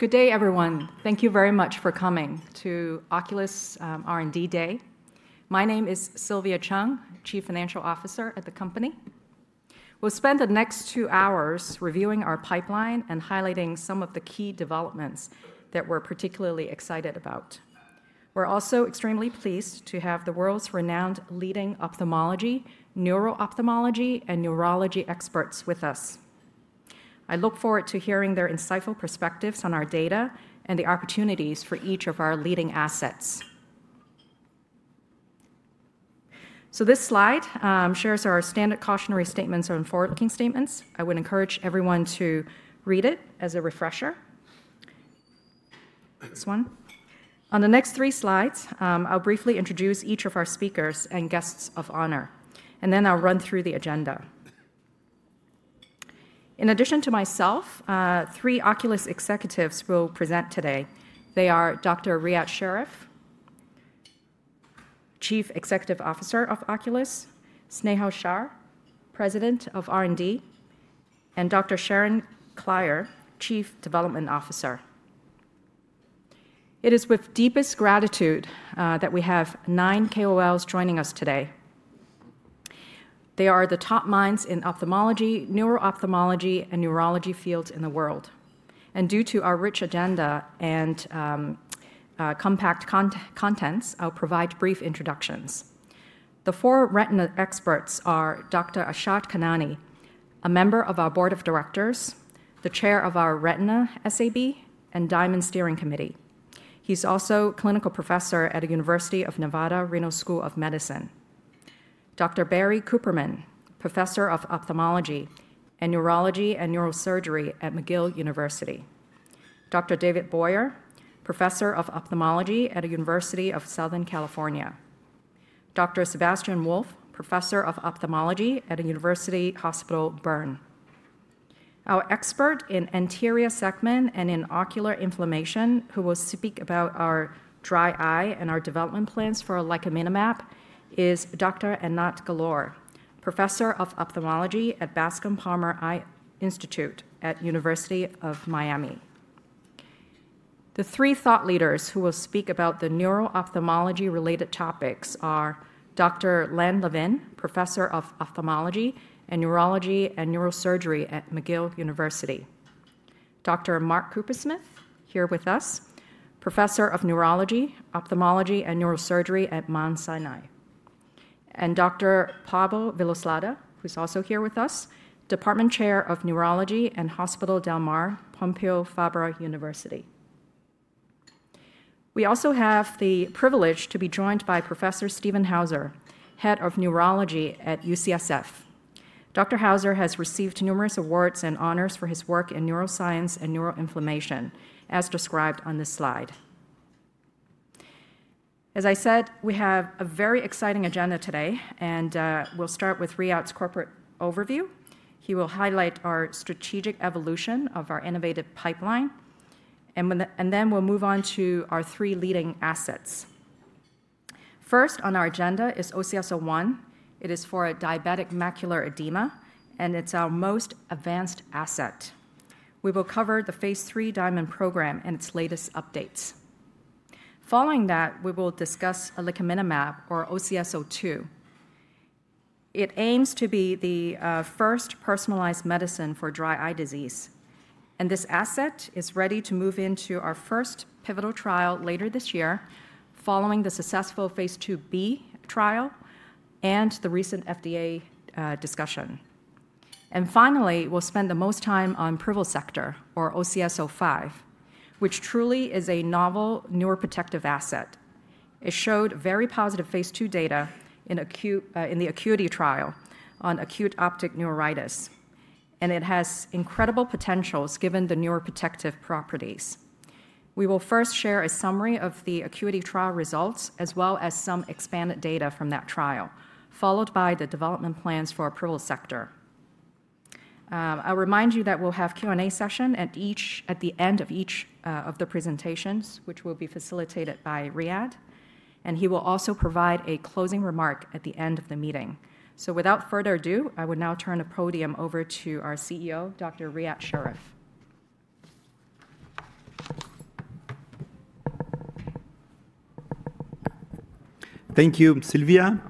Good day, everyone. Thank you very much for coming to Oculis R&D Day. My name is Sylvia Cheung, Chief Financial Officer at the company. We'll spend the next two hours reviewing our pipeline and highlighting some of the key developments that we're particularly excited about. We're also extremely pleased to have the world's renowned leading ophthalmology, neuro-ophthalmology, and neurology experts with us. I look forward to hearing their insightful perspectives on our data and the opportunities for each of our leading assets. This slide shares our standard cautionary statements and forward-looking statements. I would encourage everyone to read it as a refresher. Next one. On the next three slides, I'll briefly introduce each of our speakers and guests of honor, and then I'll run through the agenda. In addition to myself, three Oculis executives will present today. They are Dr. Riad Sherif, Chief Executive Officer of Oculis, Snehal Shah, President of R&D, and Dr. Sharon Klier, Chief Development Officer. It is with deepest gratitude that we have nine KOLs joining us today. They are the top minds in ophthalmology, neuro-ophthalmology, and neurology fields in the world. Due to our rich agenda and compact contents, I'll provide brief introductions. The four retina experts are Dr. Arshad Khanani, a member of our Board of Directors, the chair of our Retina SAB and DIAMOND Steering Committee. He's also a clinical professor at the University of Nevada, Reno School of Medicine. Dr. Barry Kuppermann, Professor of Ophthalmology, Neurology, and Neurosurgery at McGill University. Dr. David Boyer, Professor of Ophthalmology at the University of Southern California. Dr. Sebastian Wolf, Professor of Ophthalmology at the University Hospital Bern. Our expert in anterior segment and in ocular inflammation, who will speak about our dry eye and our development plans for Licaminlimab, is Dr. Anat Galor, Professor of Ophthalmology at Bascom Palmer Eye Institute at the University of Miami. The three thought leaders who will speak about the neuro-ophthalmology-related topics are Dr. Len Levin, Professor of Ophthalmology and Neurology and Neurosurgery at McGill University, Dr. Mark Kupersmith, here with us, Professor of Neurology, Ophthalmology and Neurosurgery at Mount Sinai, and Dr. Pablo Villoslada, who's also here with us, Department Chair of Neurology at Hospital del Mar, Pompeu Fabra University. We also have the privilege to be joined by Professor Stephen Hauser, Head of Neurology at UCSF. Dr. Hauser has received numerous awards and honors for his work in neuroscience and neuroinflammation, as described on this slide. As I said, we have a very exciting agenda today, and we'll start with Riad's corporate overview. He will highlight our strategic evolution of our innovative pipeline, and then we'll move on to our three leading assets. First on our agenda is OCS-01. It is for diabetic macular edema, and it's our most advanced asset. We will cover the phase III DIAMOND Program and its latest updates. Following that, we will discuss Licaminlimab, or OCS-02. It aims to be the first personalized medicine for dry eye disease. This asset is ready to move into our first pivotal trial later this year, following the successful phase II-B trial and the recent FDA discussion. Finally, we'll spend the most time on Privosegtor, or OCS-05, which truly is a novel neuroprotective asset. It showed very positive phase II data in the ACUITY trial on acute optic neuritis, and it has incredible potentials given the neuroprotective properties. We will first share a summary of the ACUITY trial results, as well as some expanded data from that trial, followed by the development plans for the Privosegtor. I'll remind you that we'll have a Q&A session at the end of each of the presentations, which will be facilitated by Riad, and he will also provide a closing remark at the end of the meeting. Without further ado, I would now turn the podium over to our CEO, Dr. Riad Sherif. Thank you, Sylvia.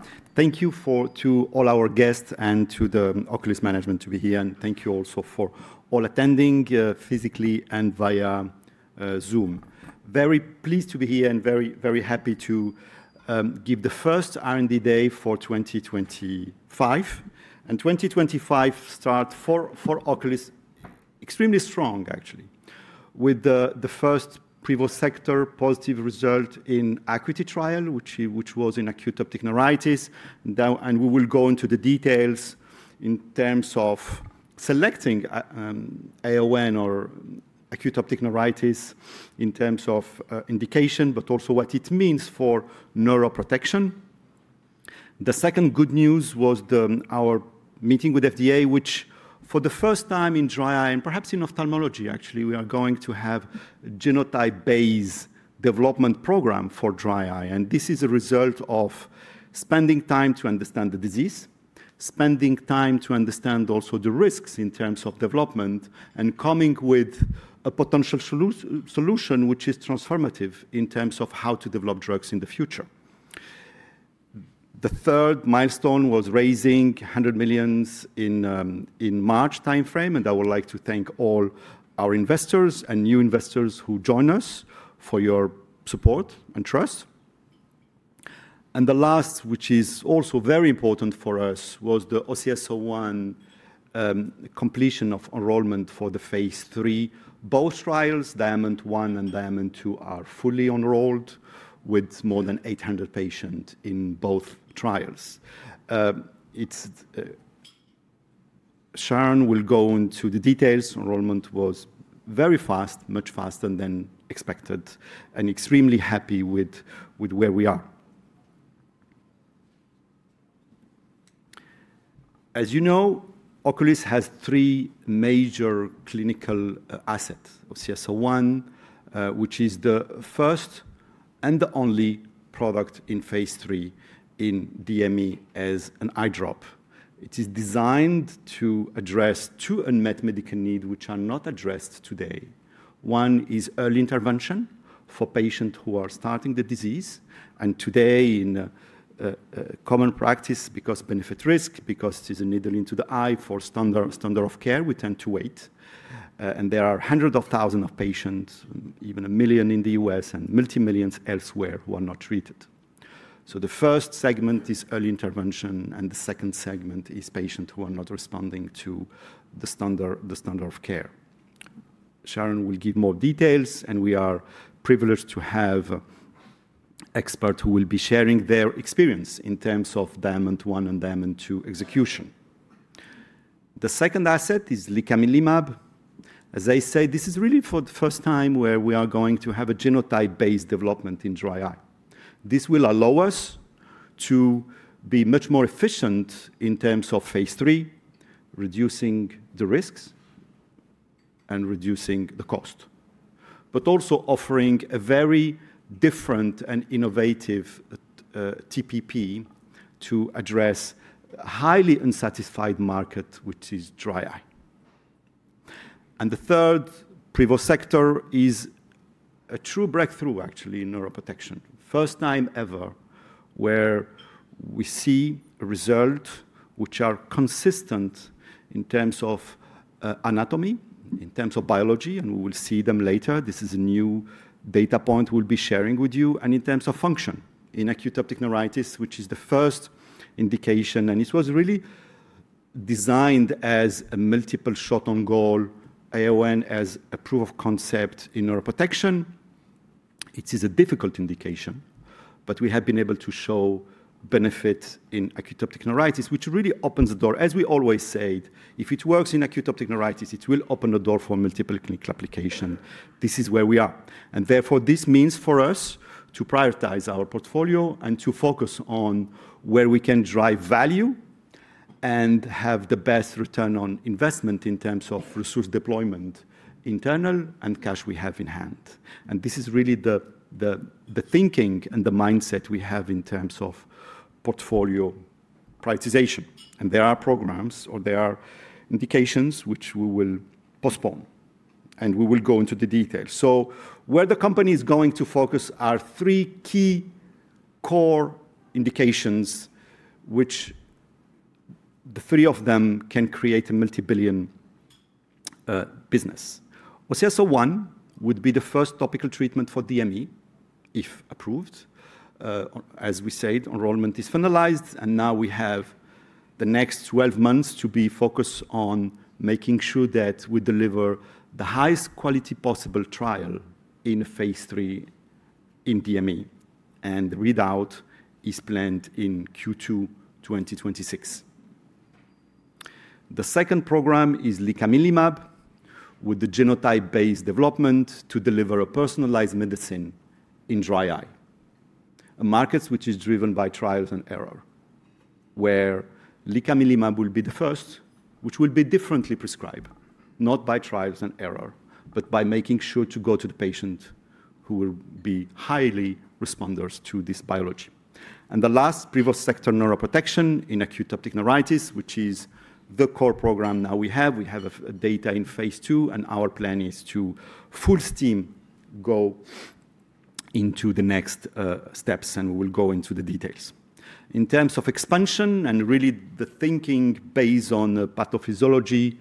Thank you to all our guests and to the Oculis management to be here. Thank you also for all attending physically and via Zoom. Very pleased to be here and very, very happy to give the first R&D Day for 2025. 2025 starts for Oculis extremely strong, actually, with the first Privosegtor positive result in ACUITY trial, which was in acute optic neuritis. We will go into the details in terms of selecting AON or acute optic neuritis in terms of indication, but also what it means for neuroprotection. The second good news was our meeting with FDA, which for the first time in dry eye and perhaps in ophthalmology, actually, we are going to have a genotype-based development program for dry eye. This is a result of spending time to understand the disease, spending time to understand also the risks in terms of development, and coming with a potential solution which is transformative in terms of how to develop drugs in the future. The third milestone was raising $100 million in the March timeframe, and I would like to thank all our investors and new investors who join us for your support and trust. The last, which is also very important for us, was the OCS-01 completion of enrollment for the phase III. Both trials, DIAMOND 1 and DIAMOND 2, are fully enrolled with more than 800 patients in both trials. Sharon will go into the details. Enrollment was very fast, much faster than expected, and extremely happy with where we are. As you know, Oculis has three major clinical assets: OCS-01, which is the first and the only product in phase III in DME as an eye drop. It is designed to address two unmet medical needs which are not addressed today. One is early intervention for patients who are starting the disease. In common practice, because of benefit-risk, because it is a needle into the eye for standard of care, we tend to wait. There are hundreds of thousands of patients, even a million in the U.S. and multimillions elsewhere, who are not treated. The first segment is early intervention, and the second segment is patients who are not responding to the standard of care. Sharon will give more details, and we are privileged to have experts who will be sharing their experience in terms of DIAMOND 1 and DIAMOND 2 execution. The second asset is Licaminlimab. As I said, this is really for the first time where we are going to have a genotype-based development in dry eye. This will allow us to be much more efficient in terms of phase III, reducing the risks and reducing the cost, but also offering a very different and innovative TPP to address a highly unsatisfied market, which is dry eye. The third Privosegtor is a true breakthrough, actually, in neuroprotection. First time ever where we see a result which is consistent in terms of anatomy, in terms of biology, and we will see them later. This is a new data point we'll be sharing with you. In terms of function in acute optic neuritis, which is the first indication, and it was really designed as a multiple shot on goal AON as a proof of concept in neuroprotection. It is a difficult indication, but we have been able to show benefits in acute optic neuritis, which really opens the door. As we always say, if it works in acute optic neuritis, it will open the door for multiple clinical applications. This is where we are. Therefore, this means for us to prioritize our portfolio and to focus on where we can drive value and have the best return on investment in terms of resource deployment, internal and cash we have in hand. This is really the thinking and the mindset we have in terms of portfolio prioritization. There are programs or there are indications which we will postpone, and we will go into the details. Where the company is going to focus are three key core indications, which the three of them can create a multibillion business. OCS-01 would be the first topical treatment for DME if approved. As we said, enrollment is finalized, and now we have the next 12 months to be focused on making sure that we deliver the highest quality possible trial in phase III in DME. The readout is planned in Q2 2026. The second program is Licaminlimab with the genotype-based development to deliver a personalized medicine in dry eye. A market which is driven by trials and error, where Licaminlimab will be the first, which will be differently prescribed, not by trials and error, but by making sure to go to the patient who will be highly responders to this biology. The last, Privosegtor neuroprotection in acute optic neuritis, which is the core program now we have. We have data in phase II, and our plan is to full steam go into the next steps, and we will go into the details. In terms of expansion and really the thinking based on the pathophysiology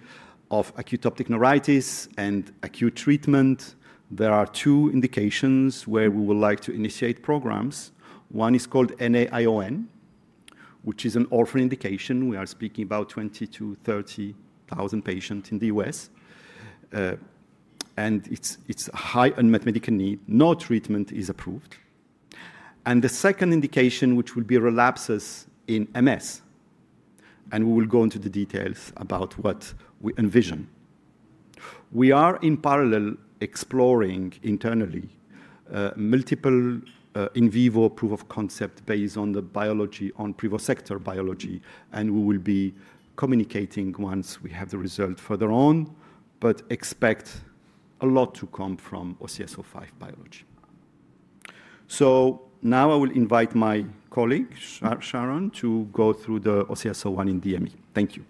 of acute optic neuritis and acute treatment, there are two indications where we would like to initiate programs. One is called NAION, which is an orphan indication. We are speaking about 20,000-30,000 patients in the U.S. It is a high unmet medical need. No treatment is approved. The second indication, which will be relapses in MS. We will go into the details about what we envision. We are in parallel exploring internally multiple in vivo proof of concept based on the biology, on Privosegtor biology, and we will be communicating once we have the result further on, but expect a lot to come from OCS-05 biology. Now I will invite my colleague, Sharon, to go through the OCS-01 in DME. Thank you.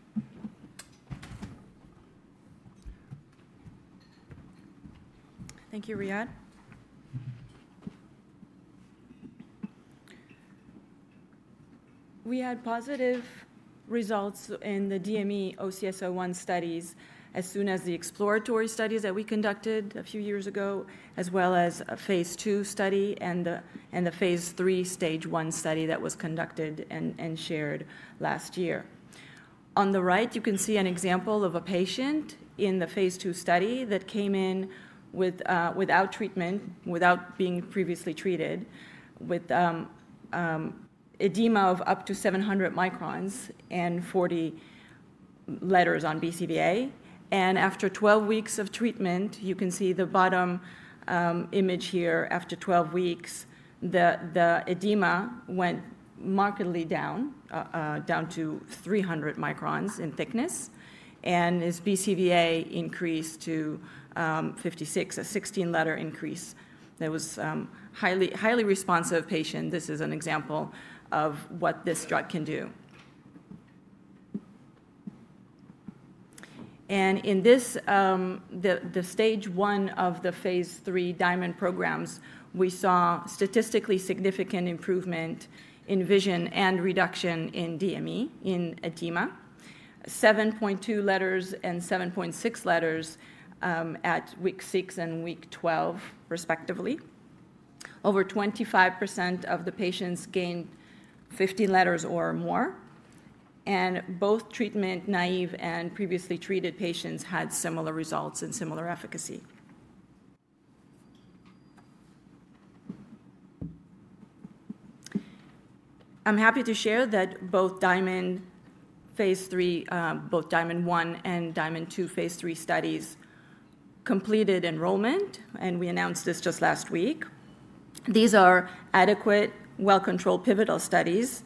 Thank you, Riad. We had positive results in the DME OCS-01 studies as soon as the exploratory studies that we conducted a few years ago, as well as a phase II study and the phase III stage I study that was conducted and shared last year. On the right, you can see an example of a patient in the phase II study that came in without treatment, without being previously treated, with edema of up to 700 microns and 40 letters on BCVA. After 12 weeks of treatment, you can see the bottom image here. After 12 weeks, the edema went markedly down, down to 300 microns in thickness, and his BCVA increased to 56, a 16-letter increase. There was a highly responsive patient. This is an example of what this drug can do. In this, the stage one of the phase III DIAMOND programs, we saw statistically significant improvement in vision and reduction in DME in edema, 7.2 letters and 7.6 letters at week six and week 12, respectively. Over 25% of the patients gained 15 letters or more. Both treatment-naive and previously treated patients had similar results and similar efficacy. I'm happy to share that both DIAMOND 1 and DIAMOND 2 phase III studies completed enrollment, and we announced this just last week. These are adequate, well-controlled pivotal studies.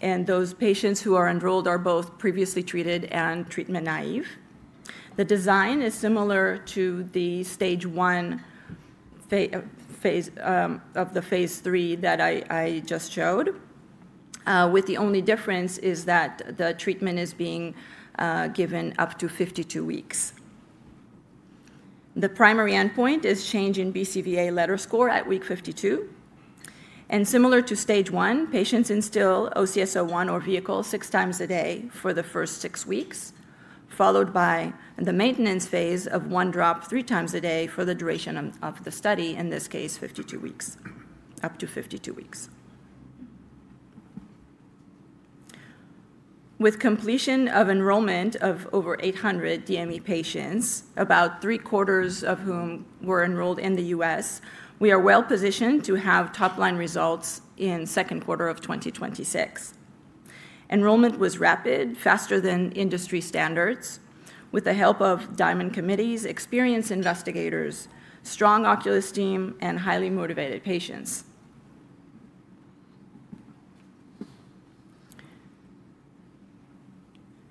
Those patients who are enrolled are both previously treated and treatment-naive. The design is similar to the stage I of the phase III that I just showed, with the only difference being that the treatment is being given up to 52 weeks. The primary endpoint is change in BCVA letter score at week 52. Similar to stage one, patients instill OCS-01 or vehicle 6x a day for the first six weeks, followed by the maintenance phase of one drop 3x a day for the duration of the study, in this case, 52 weeks, up to 52 weeks. With completion of enrollment of over 800 DME patients, about three-quarters of whom were enrolled in the U.S., we are well-positioned to have top-line results in the second quarter of 2026. Enrollment was rapid, faster than industry standards, with the help of DIAMOND committees, experienced investigators, strong Oculis team, and highly motivated patients.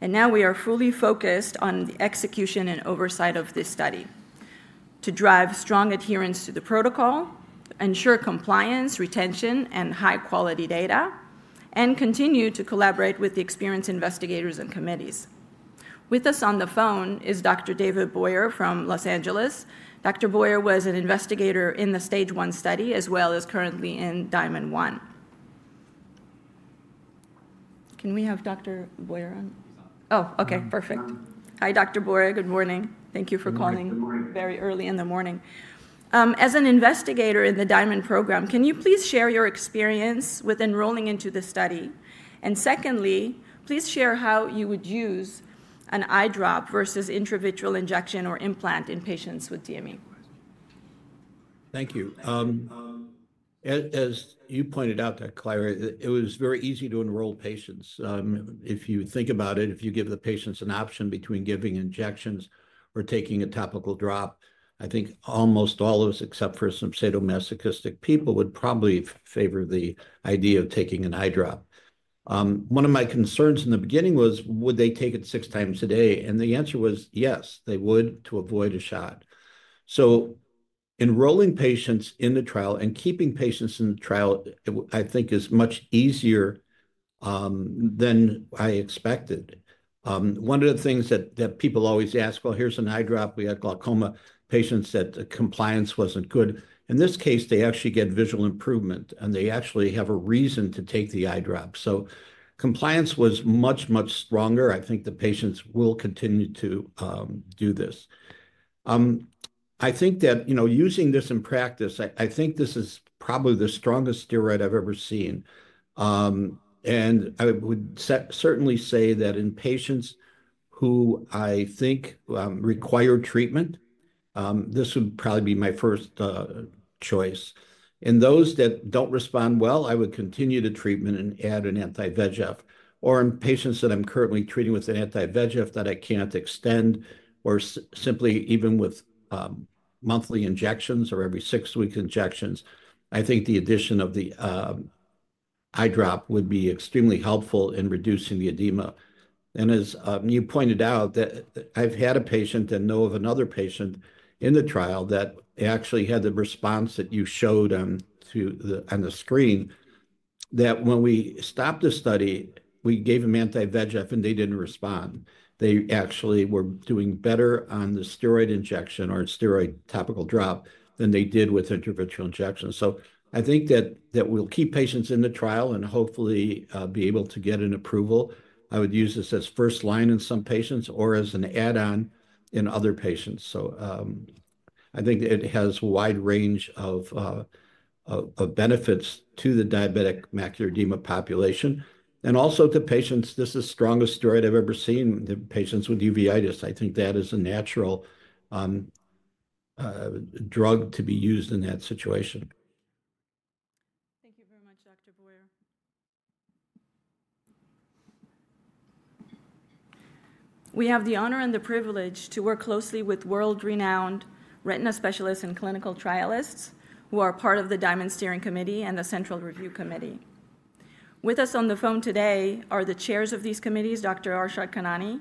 We are fully focused on the execution and oversight of this study to drive strong adherence to the protocol, ensure compliance, retention, and high-quality data, and continue to collaborate with the experienced investigators and committees. With us on the phone is Dr. David Boyer from Los Angeles. Dr. Boyer was an investigator in the phase I study as well as currently in DIAMOND 1. Can we have Dr. Boyer on? Oh, okay. Perfect. Hi, Dr. Boyer. Good morning. Thank you for calling very early in the morning. As an investigator in the DIAMOND program, can you please share your experience with enrolling into the study? Secondly, please share how you would use an eye drop versus intravitreal injection or implant in patients with DME. Thank you. As you pointed out, Klier, it was very easy to enroll patients. If you think about it, if you give the patients an option between giving injections or taking a topical drop, I think almost all of us, except for some pseudo-masochistic people, would probably favor the idea of taking an eye drop. One of my concerns in the beginning was, would they take it 6x a day? And the answer was yes, they would to avoid a shot. Enrolling patients in the trial and keeping patients in the trial, I think, is much easier than I expected. One of the things that people always ask, well, here is an eye drop. We had glaucoma patients that compliance was not good. In this case, they actually get visual improvement, and they actually have a reason to take the eye drop. Compliance was much, much stronger. I think the patients will continue to do this. I think that using this in practice, I think this is probably the strongest steroid I've ever seen. I would certainly say that in patients who I think require treatment, this would probably be my first choice. In those that do not respond well, I would continue the treatment and add an anti-VEGF. In patients that I'm currently treating with an anti-VEGF that I cannot extend, or simply even with monthly injections or every six-week injections, I think the addition of the eye drop would be extremely helpful in reducing the edema. As you pointed out, I've had a patient and know of another patient in the trial that actually had the response that you showed on the screen, that when we stopped the study, we gave them anti-VEGF and they did not respond. They actually were doing better on the steroid injection or steroid topical drop than they did with intravitreal injection. I think that we'll keep patients in the trial and hopefully be able to get an approval. I would use this as first line in some patients or as an add-on in other patients. I think it has a wide range of benefits to the diabetic macular edema population. Also to patients, this is the strongest steroid I've ever seen in patients with uveitis. I think that is a natural drug to be used in that situation. Thank you very much, Dr. Boyer. We have the honor and the privilege to work closely with world-renowned retina specialists and clinical trialists who are part of the DIAMOND Steering Committee and the Central Review Committee. With us on the phone today are the chairs of these committees, Dr. Arshad Khanani,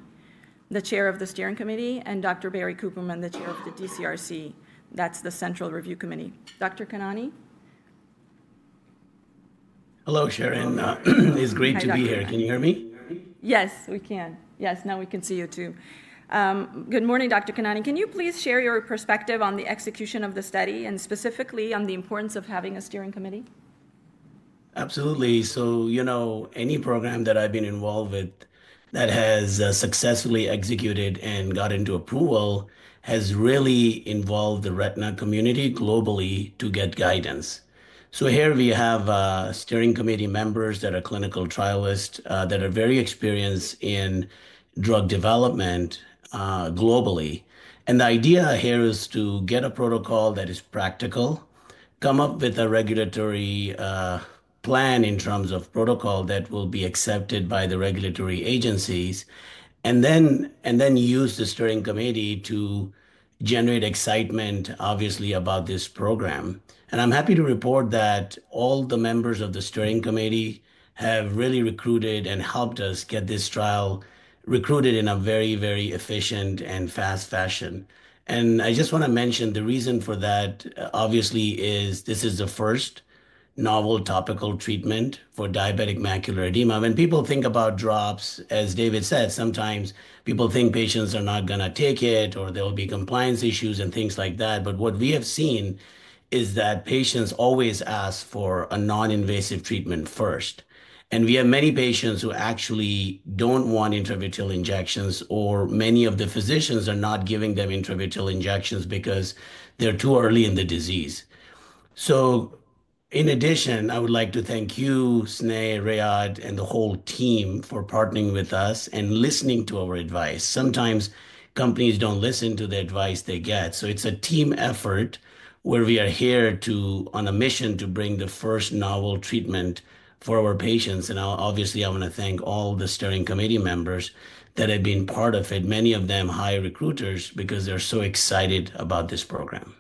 the chair of the Steering Committee, and Dr. Barry Kuppermann, the chair of the DCRC. That's the Central Review Committee. Dr. Khanani? Hello, Sharon. It's great to be here. Can you hear me? Yes, we can. Yes, now we can see you too. Good morning, Dr. Khanani. Can you please share your perspective on the execution of the study and specifically on the importance of having a Steering Committee? Absolutely. Any program that I've been involved with that has successfully executed and got into approval has really involved the retina community globally to get guidance. Here we have Steering Committee members that are clinical trialists that are very experienced in drug development globally. The idea here is to get a protocol that is practical, come up with a regulatory plan in terms of protocol that will be accepted by the regulatory agencies, and then use the Steering Committee to generate excitement, obviously, about this program. I'm happy to report that all the members of the Steering Committee have really recruited and helped us get this trial recruited in a very, very efficient and fast fashion. I just want to mention the reason for that, obviously, is this is the first novel topical treatment for diabetic macular edema. When people think about drops, as David said, sometimes people think patients are not going to take it or there will be compliance issues and things like that. What we have seen is that patients always ask for a non-invasive treatment first. We have many patients who actually do not want intravitreal injections, or many of the physicians are not giving them intravitreal injections because they are too early in the disease. In addition, I would like to thank you, Sneh, Riad, and the whole team for partnering with us and listening to our advice. Sometimes companies do not listen to the advice they get. It is a team effort where we are here on a mission to bring the first novel treatment for our patients. Obviously, I want to thank all the Steering Committee members that have been part of it, many of them high recruiters because they're so excited about this program.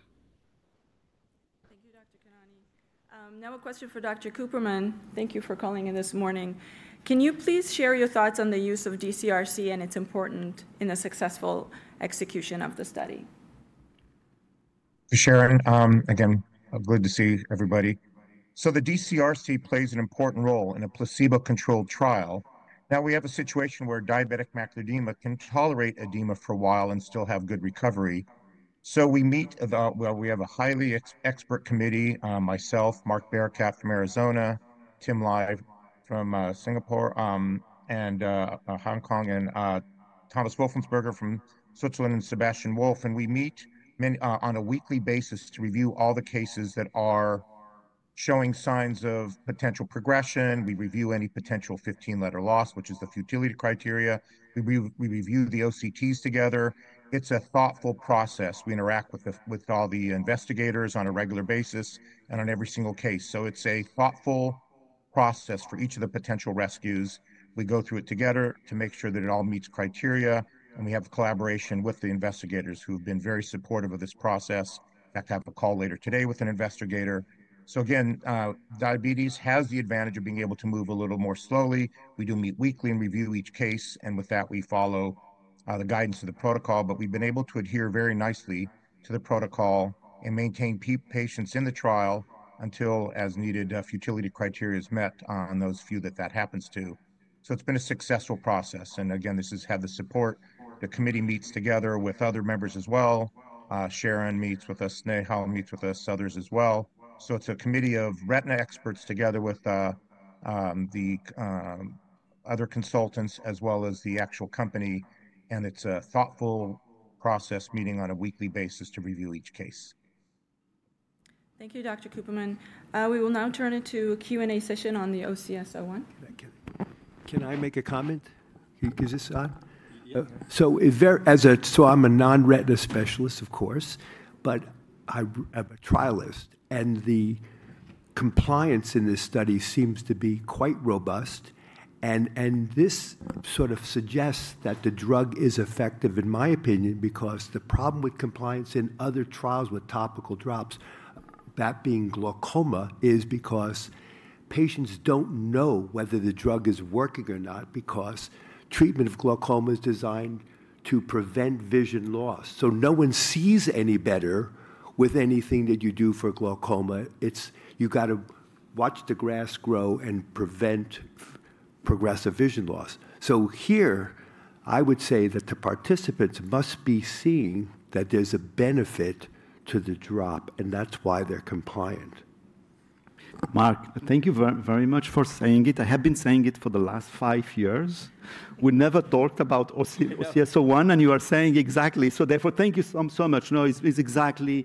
Thank you, Dr. Khanani. Now a question for Dr. Kuppermann. Thank you for calling in this morning. Can you please share your thoughts on the use of DCRC and its importance in the successful execution of the study? Sharon, again, I'm glad to see everybody. The DCRC plays an important role in a placebo-controlled trial. Now we have a situation where diabetic macular edema can tolerate edema for a while and still have good recovery. We have a highly expert committee: myself, Mark Barakat from Arizona, Tim Lai from Singapore and Hong Kong, Thomas Wolfensberger from Switzerland, and Sebastian Wolf. We meet on a weekly basis to review all the cases that are showing signs of potential progression. We review any potential 15-letter loss, which is the futility criteria. We review the OCTs together. It's a thoughtful process. We interact with all the investigators on a regular basis and on every single case. It's a thoughtful process for each of the potential rescues. We go through it together to make sure that it all meets criteria. We have collaboration with the investigators who have been very supportive of this process. In fact, I have a call later today with an investigator. Diabetes has the advantage of being able to move a little more slowly. We do meet weekly and review each case. With that, we follow the guidance of the protocol. We have been able to adhere very nicely to the protocol and maintain patients in the trial until, as needed, futility criteria is met on those few that that happens to. It has been a successful process. This has had the support. The committee meets together with other members as well. Sharon meets with us, Snehal Shah meets with us, others as well. It is a committee of retina experts together with the other consultants as well as the actual company. It's a thoughtful process, meeting on a weekly basis to review each case. Thank you, Dr. Kuppermann. We will now turn it to a Q&A session on the OCS-01. Can I make a comment? Is this on? I'm a non-retina specialist, of course, but I'm a trialist. The compliance in this study seems to be quite robust. This sort of suggests that the drug is effective, in my opinion, because the problem with compliance in other trials with topical drops, that being glaucoma, is because patients do not know whether the drug is working or not because treatment of glaucoma is designed to prevent vision loss. No one sees any better with anything that you do for glaucoma. You have to watch the grass grow and prevent progressive vision loss. Here, I would say that the participants must be seeing that there is a benefit to the drop, and that is why they are compliant. Mark, thank you very much for saying it. I have been saying it for the last five years. We never talked about OCS-01, and you are saying exactly. Therefore, thank you so much. No, it's exactly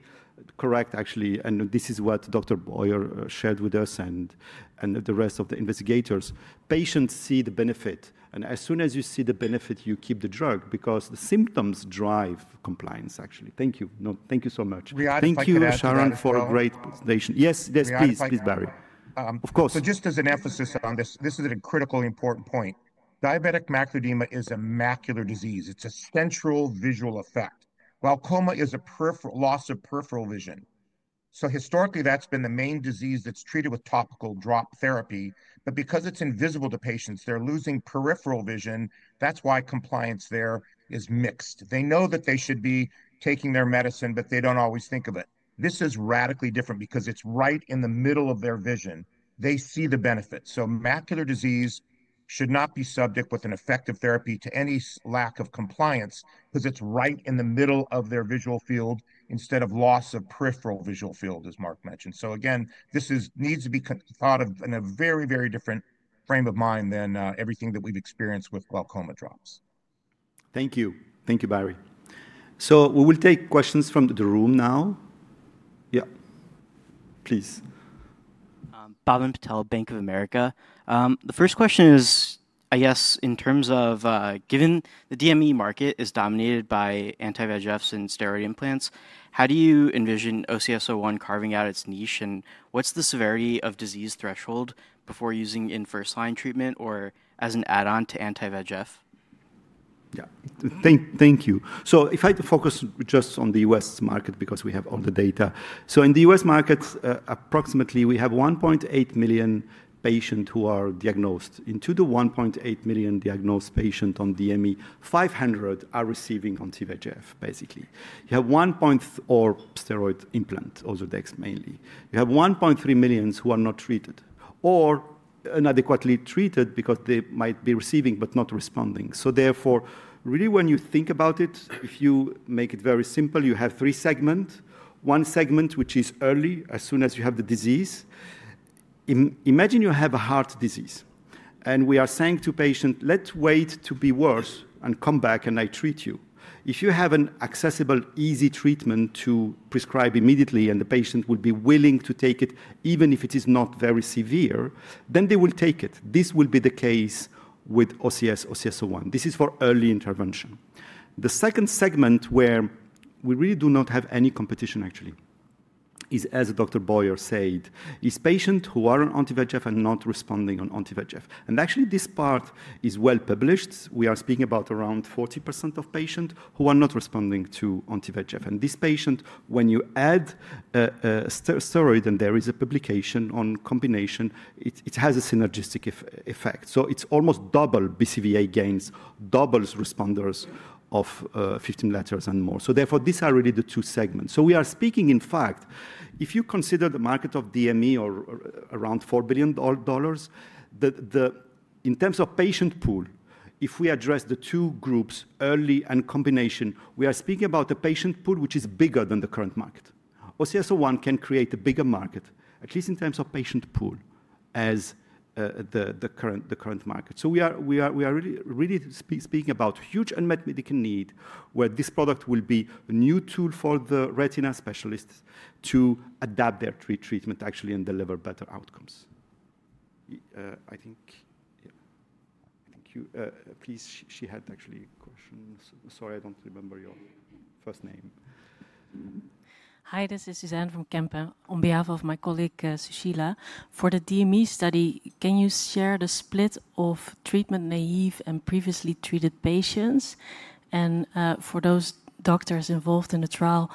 correct, actually. This is what Dr. Boyer shared with us and the rest of the investigators. Patients see the benefit. As soon as you see the benefit, you keep the drug because the symptoms drive compliance, actually. Thank you. No, thank you so much. Thank you, Sharon, for a great presentation. Yes, yes, please, please, Barry. Of course. Just as an emphasis on this, this is a critically important point. Diabetic macular edema is a macular disease. It's a central visual effect. Glaucoma is a loss of peripheral vision. Historically, that's been the main disease that's treated with topical drop therapy. Because it's invisible to patients, they're losing peripheral vision. That's why compliance there is mixed. They know that they should be taking their medicine, but they don't always think of it. This is radically different because it's right in the middle of their vision. They see the benefit. Macular disease should not be subject with an effective therapy to any lack of compliance because it's right in the middle of their visual field instead of loss of peripheral visual field, as Mark mentioned. Again, this needs to be thought of in a very, very different frame of mind than everything that we've experienced with glaucoma drops. Thank you. Thank you, Barry. We will take questions from the room now. Yeah, please. Pavan Patel, Bank of America. The first question is, I guess, in terms of given the DME market is dominated by anti-VEGFs and steroid implants, how do you envision OCS-01 carving out its niche? What's the severity of disease threshold before using in first-line treatment or as an add-on to anti-VEGF? Yeah, thank you. If I had to focus just on the U.S. market because we have all the data. In the U.S. market, approximately, we have 1.8 million patients who are diagnosed. Into the 1.8 million diagnosed patients on DME, 500 are receiving anti-VEGF, basically. You have 1.4. steroid implant, OZURDEX mainly. You have 1.3 million who are not treated or inadequately treated because they might be receiving but not responding. Therefore, really, when you think about it, if you make it very simple, you have three segments. One segment, which is early, as soon as you have the disease. Imagine you have a heart disease. We are saying to patients, let's wait to be worse and come back and I treat you. If you have an accessible, easy treatment to prescribe immediately and the patient will be willing to take it even if it is not very severe, then they will take it. This will be the case with OCS-01. This is for early intervention. The second segment where we really do not have any competition, actually, is, as Dr. Boyer said, these patients who are on anti-VEGF and not responding on anti-VEGF. Actually, this part is well published. We are speaking about around 40% of patients who are not responding to anti-VEGF. This patient, when you add a steroid, and there is a publication on combination, it has a synergistic effect. It is almost double BCVA gains, double responders of 15 letters and more. Therefore, these are really the two segments. We are speaking, in fact, if you consider the market of DME or around $4 billion, in terms of patient pool, if we address the two groups, early and combination, we are speaking about a patient pool which is bigger than the current market. OCS-01 can create a bigger market, at least in terms of patient pool, as the current market. We are really speaking about huge unmet medical need where this product will be a new tool for the retina specialists to adapt their treatment, actually, and deliver better outcomes. I think, yeah, I think you please, she had actually questions. Sorry, I do not remember your first name. Hi, this is Suzanne from Kempen. On behalf of my colleague, Sushila, for the DME study, can you share the split of treatment naive and previously treated patients? For those doctors involved in the trial,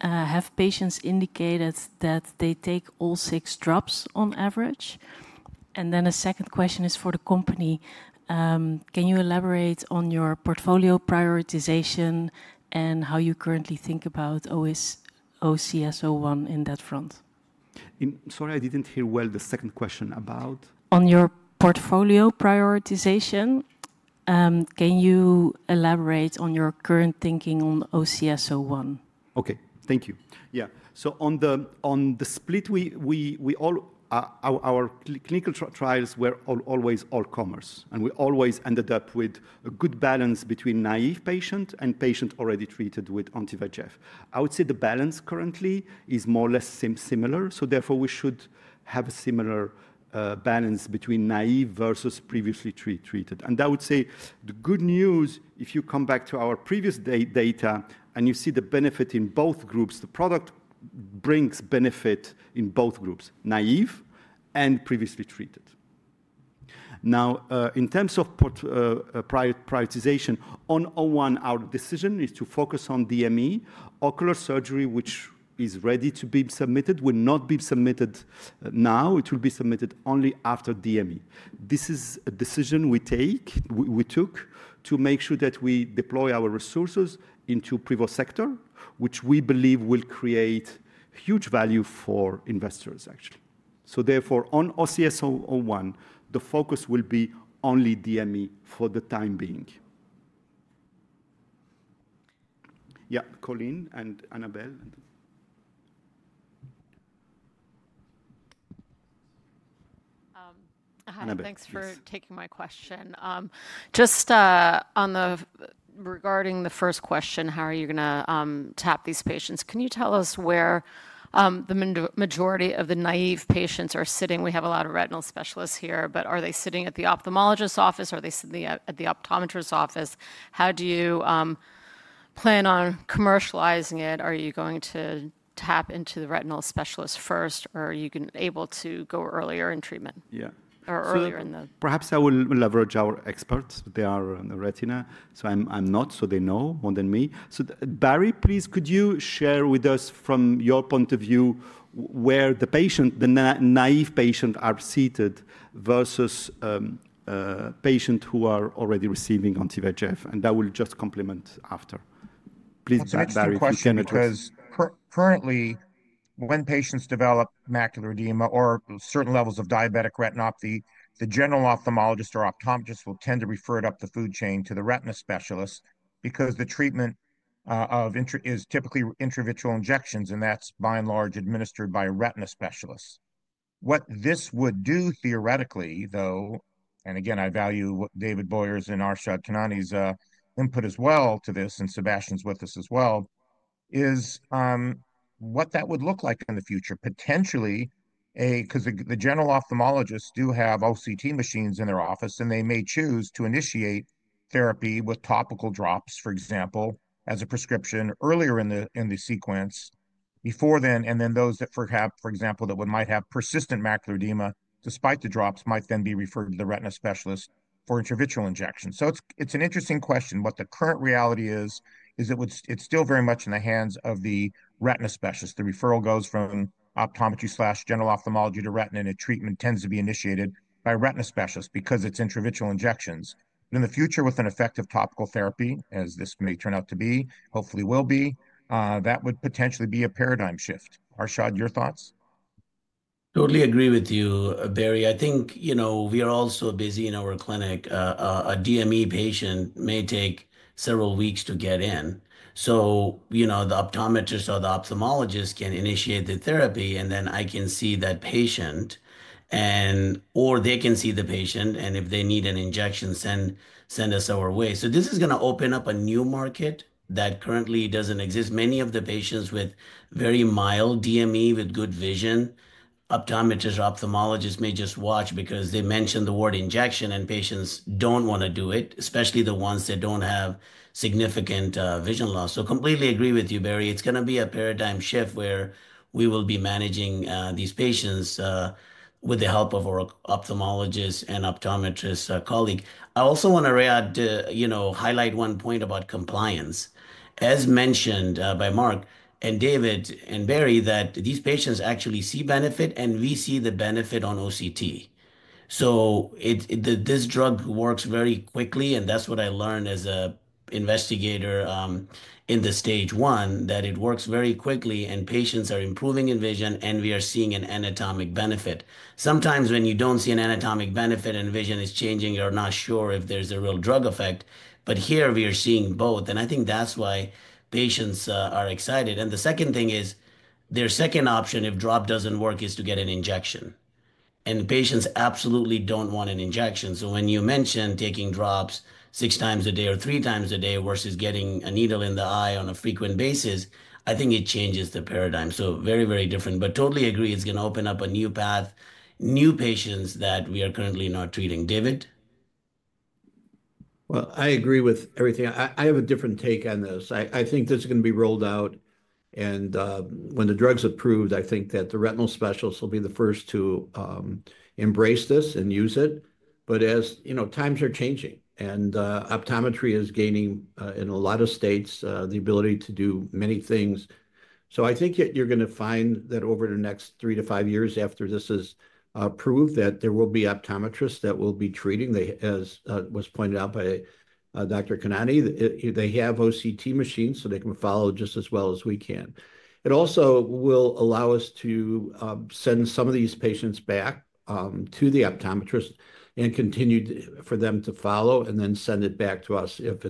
have patients indicated that they take all six drops on average? A second question is for the company. Can you elaborate on your portfolio prioritization and how you currently think about OCS-01 in that front? Sorry, I didn't hear well the second question about. On your portfolio prioritization, can you elaborate on your current thinking on OCS-01? Okay, thank you. Yeah, on the split, our clinical trials were always all-comers, and we always ended up with a good balance between naive patients and patients already treated with anti-VEGF. I would say the balance currently is more or less similar. Therefore, we should have a similar balance between naive versus previously treated. I would say the good news, if you come back to our previous data and you see the benefit in both groups, the product brings benefit in both groups, naive and previously treated. Now, in terms of prioritization, on OCS-01, our decision is to focus on DME. Ocular surgery, which is ready to be submitted, will not be submitted now. It will be submitted only after DME. This is a decision we took, we took to make sure that we deploy our resources into the private sector, which we believe will create huge value for investors, actually. Therefore, on OCS-01, the focus will be only DME for the time being. Yeah, Colleen and Annabel. Thanks for taking my question. Just regarding the first question, how are you going to tap these patients? Can you tell us where the majority of the naive patients are sitting? We have a lot of retinal specialists here, but are they sitting at the ophthalmologist's office? Are they sitting at the optometrist's office? How do you plan on commercializing it? Are you going to tap into the retinal specialists first, or are you able to go earlier in treatment? Yeah, perhaps I will leverage our experts. They are in the retina. I am not, so they know more than me. Barry, please, could you share with us from your point of view where the patient, the naive patient, are seated versus patients who are already receiving anti-VEGF? I will just complement after. Please, Barry, you can address. That's a good question because currently, when patients develop macular edema or certain levels of diabetic retinopathy, the general ophthalmologist or optometrist will tend to refer it up the food chain to the retina specialist because the treatment is typically intravitreal injections, and that's by and large administered by a retina specialist. What this would do theoretically, though, and again, I value what David Boyer's and Arshad Khanani's input as well to this, and Sebastian's with us as well, is what that would look like in the future, potentially, because the general ophthalmologists do have OCT machines in their office, and they may choose to initiate therapy with topical drops, for example, as a prescription earlier in the sequence before then. And then those that, for example, that might have persistent macular edema despite the drops might then be referred to the retina specialist for intravitreal injections. It's an interesting question. What the current reality is, is it's still very much in the hands of the retina specialist. The referral goes from optometry/general ophthalmology to retina, and treatment tends to be initiated by retina specialists because it's intravitreal injections. In the future, with an effective topical therapy, as this may turn out to be, hopefully will be, that would potentially be a paradigm shift. Arshad, your thoughts? Totally agree with you, Barry. I think we are also busy in our clinic. A DME patient may take several weeks to get in. The optometrist or the ophthalmologist can initiate the therapy, and then I can see that patient, or they can see the patient, and if they need an injection, send us our way. This is going to open up a new market that currently doesn't exist. Many of the patients with very mild DME with good vision, optometrist or ophthalmologist may just watch because they mention the word injection, and patients don't want to do it, especially the ones that don't have significant vision loss. Completely agree with you, Barry. It's going to be a paradigm shift where we will be managing these patients with the help of our ophthalmologist and optometrist colleague. I also want to highlight one point about compliance, as mentioned by Mark and David and Barry, that these patients actually see benefit, and we see the benefit on OCT. This drug works very quickly, and that's what I learned as an investigator in the stage one, that it works very quickly, and patients are improving in vision, and we are seeing an anatomic benefit. Sometimes when you do not see an anatomic benefit and vision is changing, you are not sure if there is a real drug effect. Here, we are seeing both. I think that is why patients are excited. The second thing is their second option, if drop does not work, is to get an injection. Patients absolutely do not want an injection. When you mention taking drops 6x a day or 3x a day versus getting a needle in the eye on a frequent basis, I think it changes the paradigm. Very, very different. Totally agree. It's going to open up a new path, new patients that we are currently not treating. David? I agree with everything. I have a different take on this. I think this is going to be rolled out. When the drug's approved, I think that the retinal specialists will be the first to embrace this and use it. As times are changing and optometry is gaining in a lot of states the ability to do many things, I think you're going to find that over the next three to five years after this is approved that there will be optometrists that will be treating, as was pointed out by Dr. Khanani. They have OCT machines, so they can follow just as well as we can. It also will allow us to send some of these patients back to the optometrist and continue for them to follow and then send it back to us if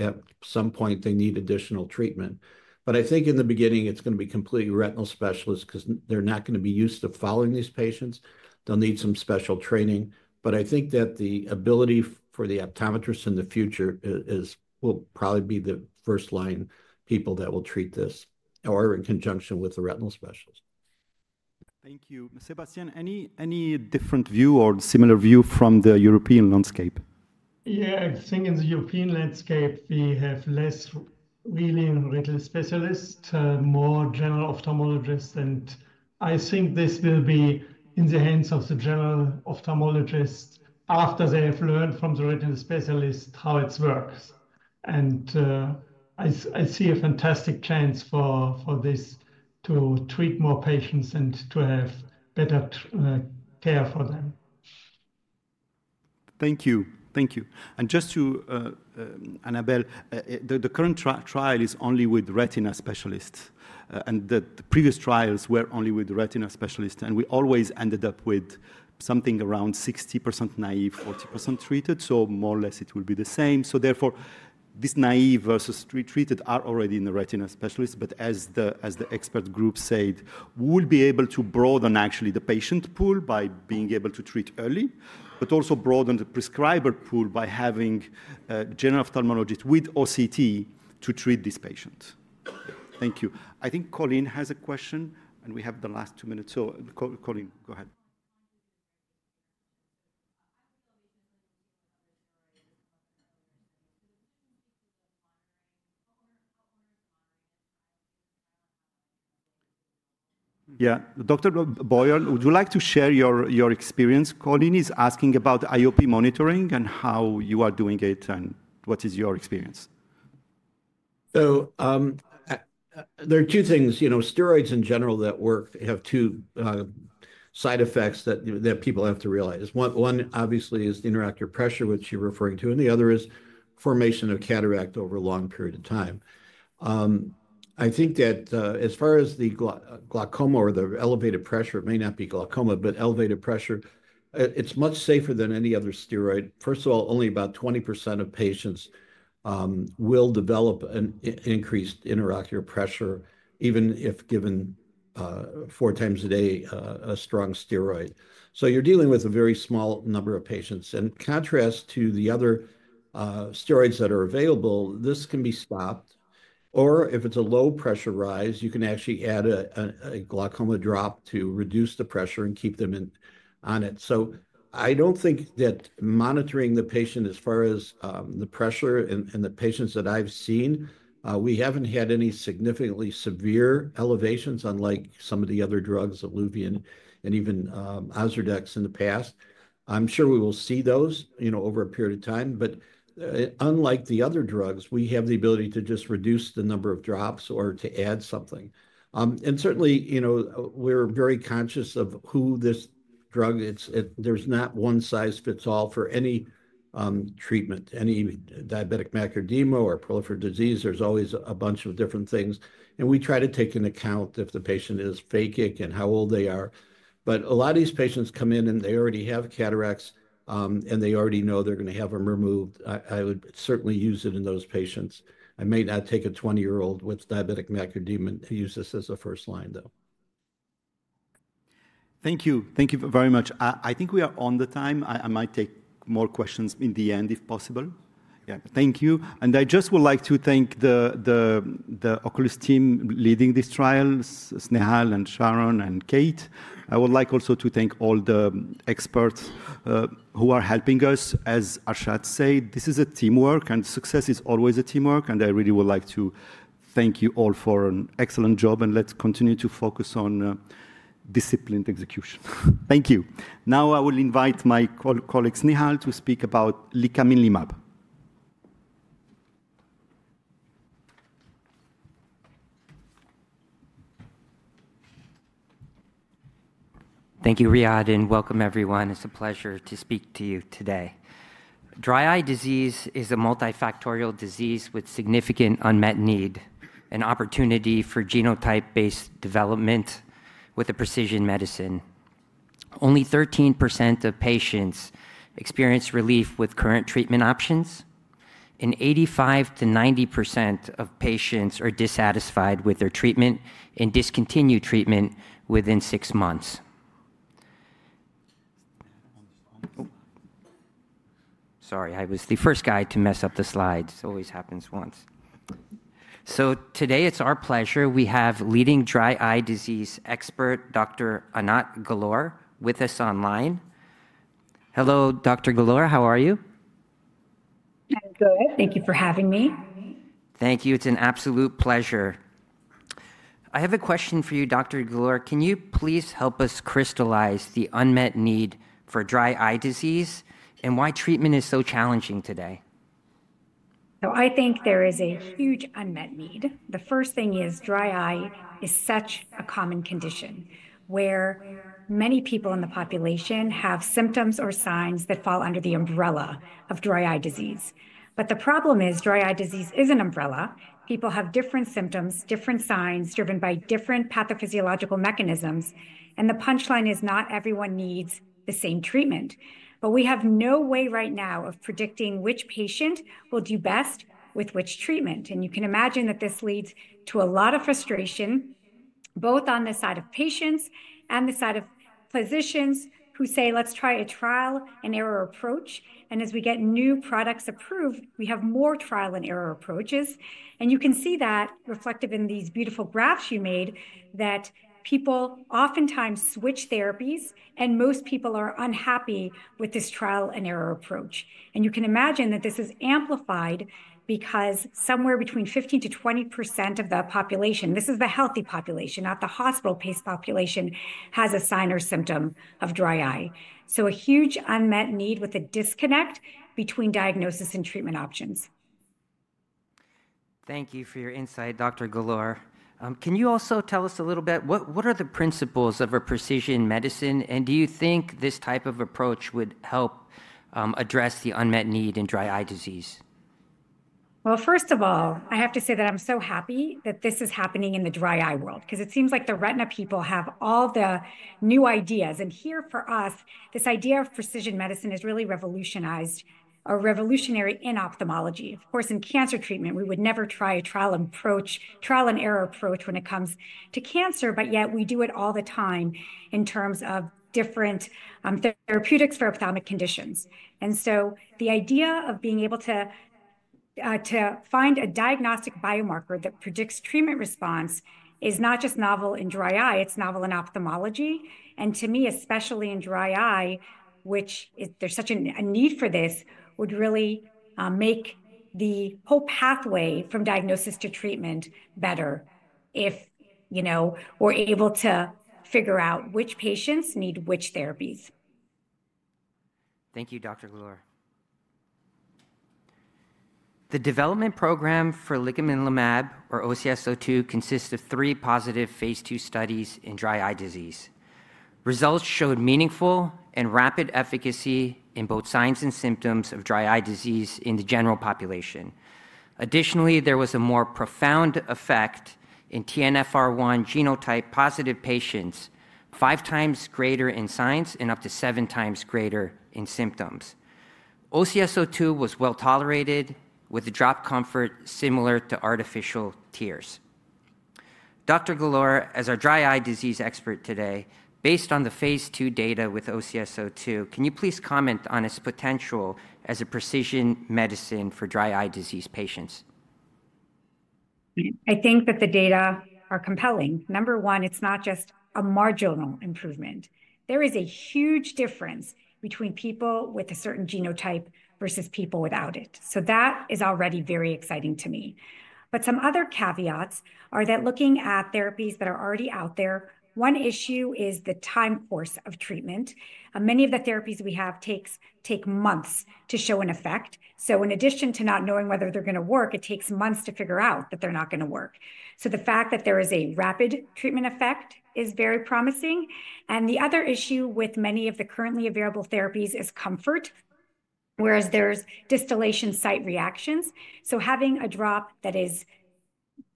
at some point they need additional treatment. I think in the beginning, it's going to be completely retinal specialists because they're not going to be used to following these patients. They'll need some special training. I think that the ability for the optometrist in the future will probably be the first-line people that will treat this or in conjunction with the retinal specialist. Thank you. Sebastian, any different view or similar view from the European landscape? Yeah, I think in the European landscape, we have less really retinal specialists, more general ophthalmologists. I think this will be in the hands of the general ophthalmologists after they have learned from the retinal specialists how it works. I see a fantastic chance for this to treat more patients and to have better care for them. Thank you. Thank you. Just to Annabel, the current trial is only with retina specialists. The previous trials were only with retina specialists. We always ended up with something around 60% naive, 40% treated. More or less, it will be the same. Therefore, this naive versus treated are already in the retina specialists. As the expert group said, we will be able to broaden, actually, the patient pool by being able to treat early, but also broaden the prescriber pool by having general ophthalmologists with OCT to treat this patient. Thank you. I think Colleen has a question, and we have the last two minutes. Colleen, go ahead. Yeah, Dr. Boyer, would you like to share your experience? Colleen is asking about IOP monitoring and how you are doing it and what is your experience. There are two things. Steroids in general that work have two side effects that people have to realize. One, obviously, is the intraocular pressure, which you're referring to. The other is formation of cataract over a long period of time. I think that as far as the glaucoma or the elevated pressure, it may not be glaucoma, but elevated pressure, it's much safer than any other steroid. First of all, only about 20% of patients will develop an increased intraocular pressure, even if given 4x a day a strong steroid. You're dealing with a very small number of patients. In contrast to the other steroids that are available, this can be stopped. Or if it's a low pressure rise, you can actually add a glaucoma drop to reduce the pressure and keep them on it. I don't think that monitoring the patient as far as the pressure and the patients that I've seen, we haven't had any significantly severe elevations, unlike some of the other drugs, ILUVIEN and even OZURDEX in the past. I'm sure we will see those over a period of time. Unlike the other drugs, we have the ability to just reduce the number of drops or to add something. Certainly, we're very conscious of who this drug is. There's not one size fits all for any treatment, any diabetic macular edema or proliferative disease. There's always a bunch of different things. We try to take into account if the patient is phakic and how old they are. A lot of these patients come in, and they already have cataracts, and they already know they're going to have them removed. I would certainly use it in those patients. I may not take a 20-year-old with diabetic macular edema and use this as a first line, though. Thank you. Thank you very much. I think we are on the time. I might take more questions in the end if possible. Thank you. I just would like to thank the Oculis team leading this trial, Snehal, and Sharon, and Kate. I would like also to thank all the experts who are helping us. As Arshad said, this is a teamwork, and success is always a teamwork. I really would like to thank you all for an excellent job. Let's continue to focus on disciplined execution. Thank you. Now, I will invite my colleague Snehal to speak about Licaminlimab. Thank you, Riad, and welcome, everyone. It's a pleasure to speak to you today. Dry eye disease is a multifactorial disease with significant unmet need, an opportunity for genotype-based development with precision medicine. Only 13% of patients experience relief with current treatment options. 85%-90% of patients are dissatisfied with their treatment and discontinue treatment within six months. Sorry, I was the first guy to mess up the slides. It always happens once. Today, it's our pleasure. We have leading dry eye disease expert, Dr. Anat Galor, with us online. Hello, Dr. Galor. How are you? I'm good. Thank you for having me. Thank you. It's an absolute pleasure. I have a question for you, Dr. Galor. Can you please help us crystallize the unmet need for dry eye disease and why treatment is so challenging today? I think there is a huge unmet need. The first thing is dry eye is such a common condition where many people in the population have symptoms or signs that fall under the umbrella of dry eye disease. The problem is dry eye disease is an umbrella. People have different symptoms, different signs driven by different pathophysiological mechanisms. The punchline is not everyone needs the same treatment. We have no way right now of predicting which patient will do best with which treatment. You can imagine that this leads to a lot of frustration, both on the side of patients and the side of physicians who say, "Let's try a trial and error approach." As we get new products approved, we have more trial and error approaches. You can see that reflected in these beautiful graphs you made that people oftentimes switch therapies, and most people are unhappy with this trial and error approach. You can imagine that this is amplified because somewhere between 15%-20% of the population, this is the healthy population, not the hospital-based population, has a sign or symptom of dry eye. A huge unmet need with a disconnect between diagnosis and treatment options. Thank you for your insight, Dr. Galor. Can you also tell us a little bit, what are the principles of precision medicine? Do you think this type of approach would help address the unmet need in dry eye disease? First of all, I have to say that I'm so happy that this is happening in the dry eye world because it seems like the retina people have all the new ideas. Here for us, this idea of precision medicine is really revolutionized or revolutionary in ophthalmology. Of course, in cancer treatment, we would never try a trial and error approach when it comes to cancer. Yet, we do it all the time in terms of different therapeutics for ophthalmic conditions. The idea of being able to find a diagnostic biomarker that predicts treatment response is not just novel in dry eye. It's novel in ophthalmology. To me, especially in dry eye, which there's such a need for this, it would really make the whole pathway from diagnosis to treatment better if we're able to figure out which patients need which therapies. Thank you, Dr. Galor. The development program for Licaminlimab, or OCS-02, consists of three positive phase II studies in dry eye disease. Results showed meaningful and rapid efficacy in both signs and symptoms of dry eye disease in the general population. Additionally, there was a more profound effect in TNFR1 genotype-positive patients, 5x greater in signs and up to 7x greater in symptoms. OCS-02 was well tolerated with a drop comfort similar to artificial tears. Dr. Galor, as our dry eye disease expert today, based on the phase II data with OCS-02, can you please comment on its potential as a precision medicine for dry eye disease patients? I think that the data are compelling. Number one, it's not just a marginal improvement. There is a huge difference between people with a certain genotype versus people without it. That is already very exciting to me. Some other caveats are that looking at therapies that are already out there, one issue is the time course of treatment. Many of the therapies we have take months to show an effect. In addition to not knowing whether they're going to work, it takes months to figure out that they're not going to work. The fact that there is a rapid treatment effect is very promising. The other issue with many of the currently available therapies is comfort, whereas there's distillation site reactions. Having a drop that is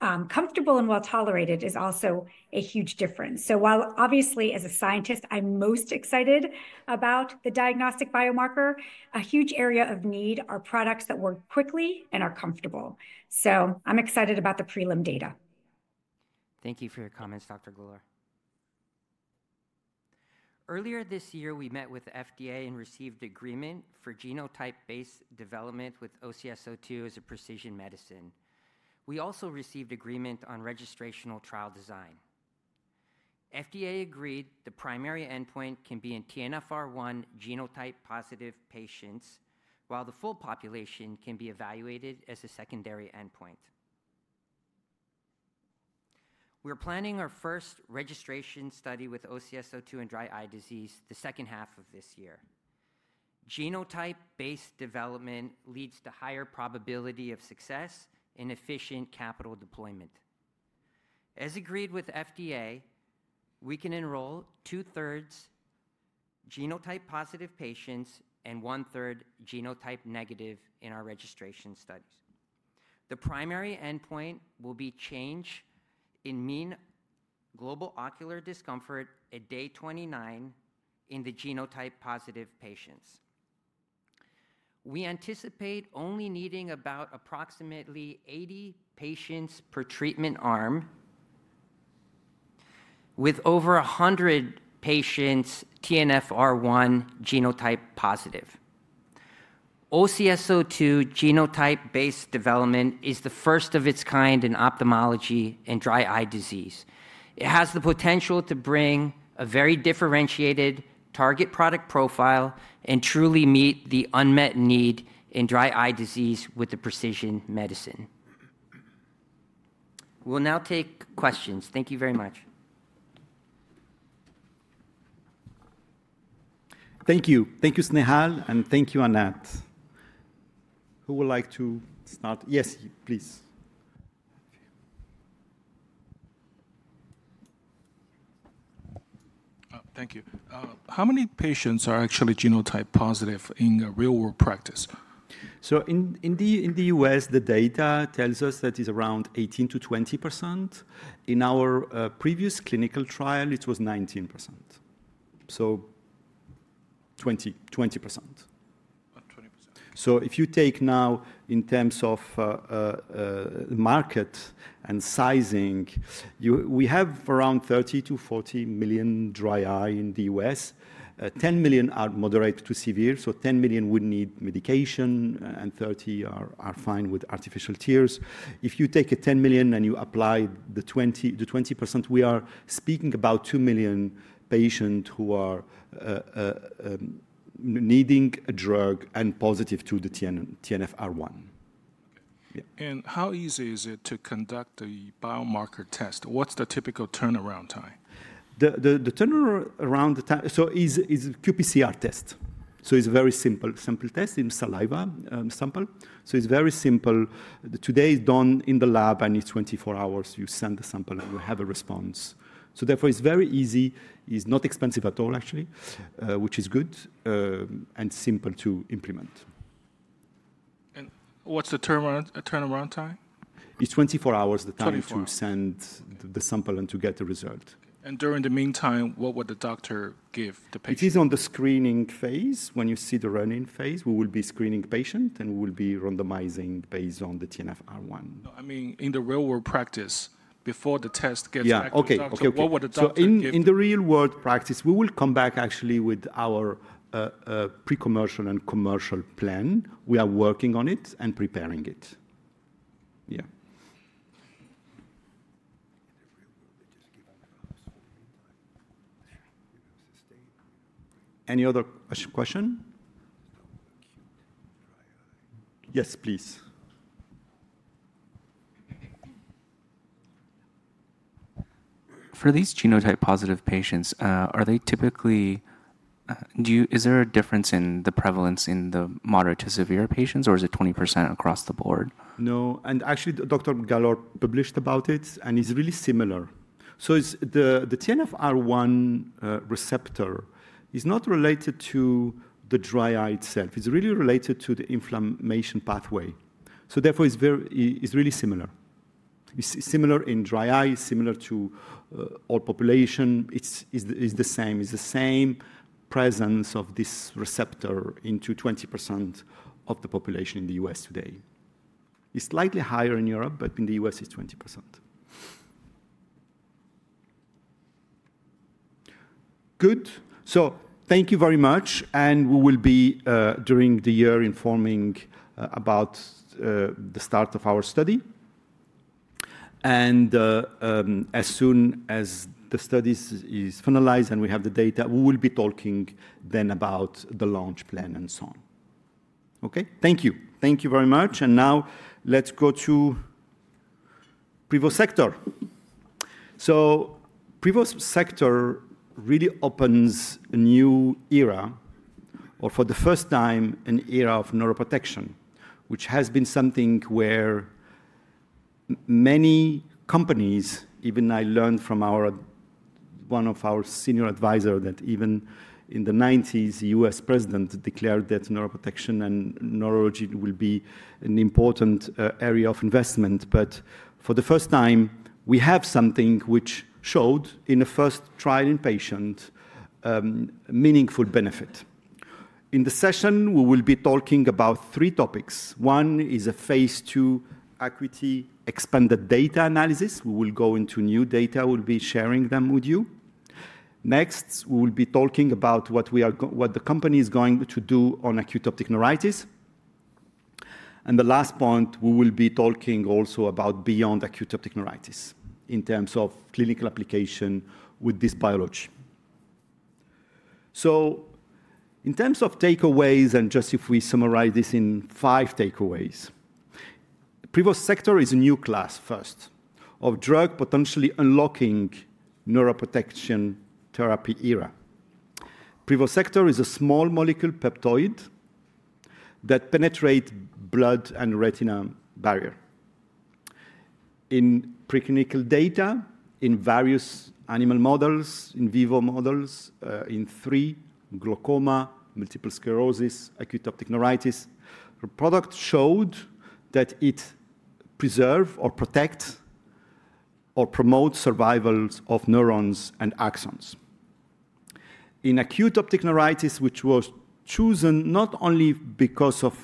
comfortable and well tolerated is also a huge difference. While obviously, as a scientist, I'm most excited about the diagnostic biomarker, a huge area of need are products that work quickly and are comfortable. I'm excited about the prelim data. Thank you for your comments, Dr. Galor. Earlier this year, we met with the FDA and received agreement for genotype-based development with OCS-02 as a precision medicine. We also received agreement on registrational trial design. FDA agreed the primary endpoint can be in TNFR1 genotype-positive patients, while the full population can be evaluated as a secondary endpoint. We're planning our first registration study with OCS-02 in dry eye disease the second half of this year. Genotype-based development leads to higher probability of success and efficient capital deployment. As agreed with FDA, we can enroll 2/3 genotype-positive patients and 1/3 genotype-negative in our registration studies. The primary endpoint will be change in mean global ocular discomfort at day 29 in the genotype-positive patients. We anticipate only needing about approximately 80 patients per treatment arm with over 100 patients TNFR1 genotype-positive. OCS-02 genotype-based development is the first of its kind in ophthalmology and dry eye disease. It has the potential to bring a very differentiated target product profile and truly meet the unmet need in dry eye disease with precision medicine. We'll now take questions. Thank you very much. Thank you. Thank you, Snehal, and thank you, Anat. Who would like to start? Yes, please. Thank you. How many patients are actually genotype-positive in real-world practice? In the U.S., the data tells us that it's around 18%-20%. In our previous clinical trial, it was 19%. So 20%. 20%. If you take now in terms of market and sizing, we have around 30 million-40 million dry eye in the U.S. 10 million are moderate to severe. 10 million would need medication, and 30 million are fine with artificial tears. If you take 10 million and you apply the 20%, we are speaking about 2 million patients who are needing a drug and positive to the TNFR1. How easy is it to conduct the biomarker test? What's the typical turnaround time? The turnaround time, it's a qPCR test. It's a very simple test in saliva sample. It's very simple. Today, it's done in the lab. I need 24 hours. You send the sample, and you have a response. Therefore, it's very easy. It's not expensive at all, actually, which is good and simple to implement. What is the turnaround time? It's 24 hours the time to send the sample and to get the result. During the meantime, what would the doctor give the patient? It is on the screening phase when you see the running phase. We will be screening patients, and we will be randomizing based on the TNFR1. I mean, in the real-world practice, before the test gets active, what would the doctor give? In the real-world practice, we will come back actually with our pre-commercial and commercial plan. We are working on it and preparing it. Yeah. In the real world, they just give a graph for the meantime. Any other question? Yes, please. For these genotype-positive patients, are they typically, is there a difference in the prevalence in the moderate to severe patients, or is it 20% across the board? No. Actually, Dr. Galor published about it, and it is really similar. The TNFR1 receptor is not related to the dry eye itself. It is really related to the inflammation pathway. Therefore, it is really similar. It is similar in dry eye, similar to all population. It is the same. It is the same presence of this receptor in 20% of the population in the U.S. today. It is slightly higher in Europe, but in the U.S., it is 20%. Good. Thank you very much. We will be during the year informing about the start of our study. As soon as the study is finalized and we have the data, we will be talking then about the launch plan and so on. Okay? Thank you. Thank you very much. Now let's go to Privosegtor. Privosegtor really opens a new era, or for the first time, an era of neuroprotection, which has been something where many companies, even I learned from one of our senior advisors that even in the 1990s, the U.S. president declared that neuroprotection and neurology will be an important area of investment. For the first time, we have something which showed in a first trial in patients meaningful benefit. In the session, we will be talking about three topics. One is a phase II ACUITY expanded data analysis. We will go into new data. We'll be sharing them with you. Next, we will be talking about what the company is going to do on acute optic neuritis. The last point, we will be talking also about beyond acute optic neuritis in terms of clinical application with this biology. In terms of takeaways, and just if we summarize this in five takeaways, Privosegtor is a new class, first of drug, potentially unlocking neuroprotection therapy era. Privosegtor is a small molecule peptide that penetrates blood and retina barrier. In preclinical data in various animal models, in vivo models, in three, glaucoma, multiple sclerosis, acute optic neuritis, the product showed that it preserves or protects or promotes survival of neurons and axons. In acute optic neuritis, which was chosen not only because of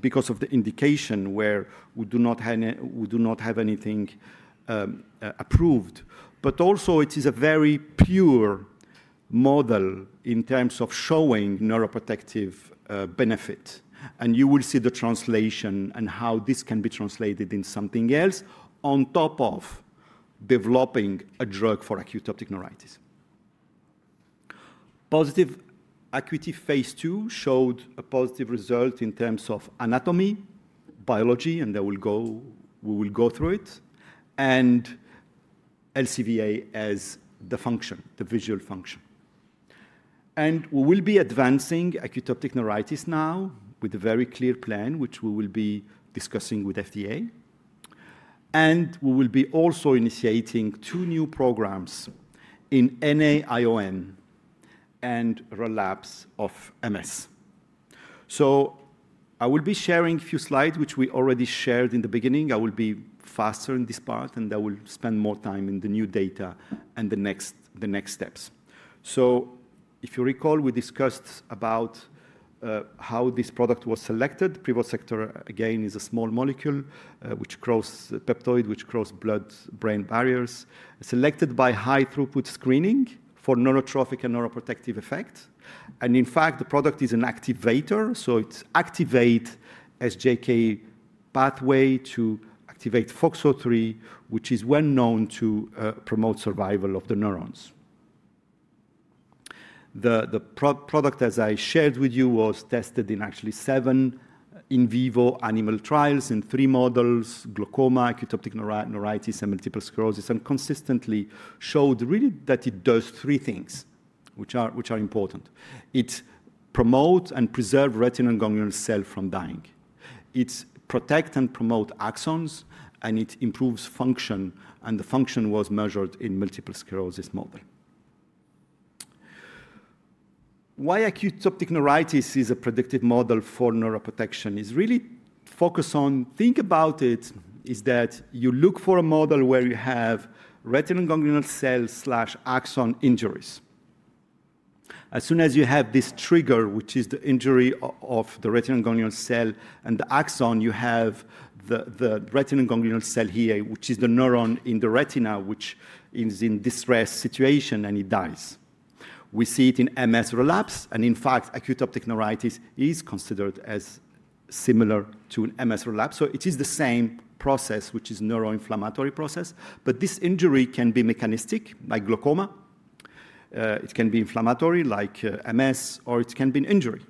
the indication where we do not have anything approved, but also it is a very pure model in terms of showing neuroprotective benefit. You will see the translation and how this can be translated in something else on top of developing a drug for acute optic neuritis. Positive equity phase II showed a positive result in terms of anatomy, biology, and we will go through it, and LCVA as the function, the visual function. We will be advancing acute optic neuritis now with a very clear plan, which we will be discussing with FDA. We will be also initiating two new programs in NAION and relapses of MS. I will be sharing a few slides, which we already shared in the beginning. I will be faster in this part, and I will spend more time in the new data and the next steps. If you recall, we discussed about how this product was selected. Privosegtor, again, is a small molecule which crosses peptide which crosses blood-brain barriers, selected by high-throughput screening for neurotrophic and neuroprotective effect. In fact, the product is an activator. It activates SJK pathway to activate FOXO3, which is well known to promote survival of the neurons. The product, as I shared with you, was tested in actually seven in vivo animal trials in three models: glaucoma, acute optic neuritis, and multiple sclerosis, and consistently showed really that it does three things which are important. It promotes and preserves retinal ganglion cells from dying. It protects and promotes axons, and it improves function. The function was measured in multiple sclerosis model. Why acute optic neuritis is a predictive model for neuroprotection is really focus on think about it is that you look for a model where you have retinal ganglion cells/axon injuries. As soon as you have this trigger, which is the injury of the retinal ganglion cell and the axon, you have the retinal ganglion cell here, which is the neuron in the retina which is in distress situation, and it dies. We see it in MS relapses, and in fact, acute optic neuritis is considered similar to MS relapses. It is the same process, which is a neuroinflammatory process. This injury can be mechanistic like glaucoma. It can be inflammatory like MS, or it can be an injury.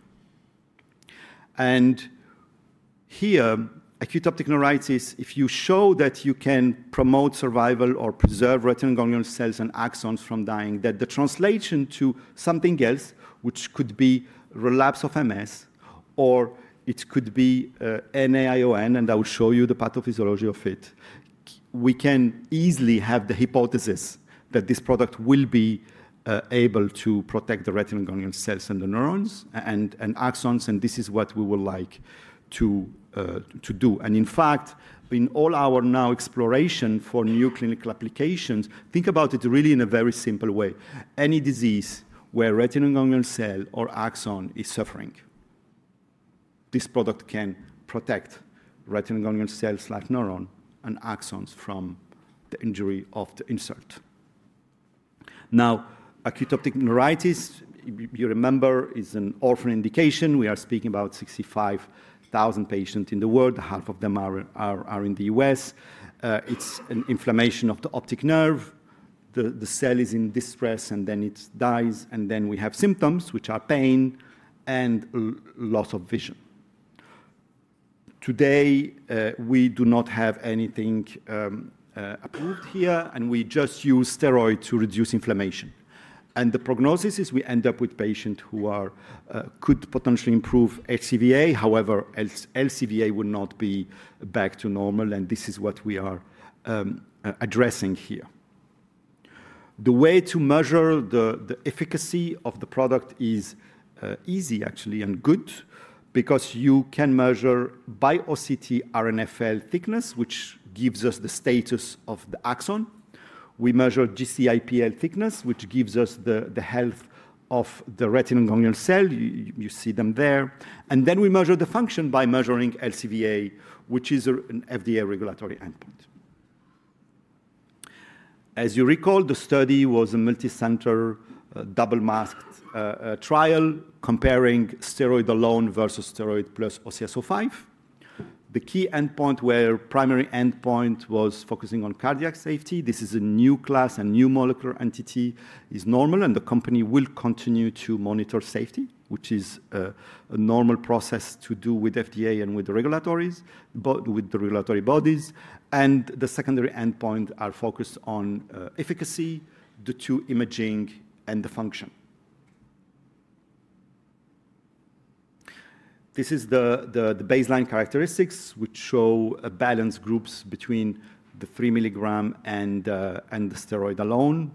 Here, acute optic neuritis, if you show that you can promote survival or preserve retinal ganglion cells and axons from dying, that the translation to something else, which could be relapses of MS, or it could be NAION, and I will show you the pathophysiology of it, we can easily have the hypothesis that this product will be able to protect the retinal ganglion cells and the neurons and axons, and this is what we would like to do. In fact, in all our now exploration for new clinical applications, think about it really in a very simple way. Any disease where retinal ganglion cell or axon is suffering, this product can protect retinal ganglion cells/neuron and axons from the injury of the insert. Now, acute optic neuritis, you remember, is an orphan indication. We are speaking about 65,000 patients in the world. Half of them are in the U.S. It's an inflammation of the optic nerve. The cell is in distress, and then it dies, and then we have symptoms, which are pain and loss of vision. Today, we do not have anything approved here, and we just use steroids to reduce inflammation. The prognosis is we end up with patients who could potentially improve LCVA. However, LCVA will not be back to normal, and this is what we are addressing here. The way to measure the efficacy of the product is easy, actually, and good because you can measure by OCT RNFL thickness, which gives us the status of the axon. We measure GCIPL thickness, which gives us the health of the retinal ganglion cell. You see them there. Then we measure the function by measuring LCVA, which is an FDA regulatory endpoint. As you recall, the study was a multicenter double-masked trial comparing steroid alone versus steroid plus OCS-05. The key endpoint where primary endpoint was focusing on cardiac safety. This is a new class and new molecular entity is normal, and the company will continue to monitor safety, which is a normal process to do with FDA and with the regulatory bodies. The secondary endpoint are focused on efficacy, the two imaging, and the function. This is the baseline characteristics, which show balanced groups between the 3 mg and the steroid alone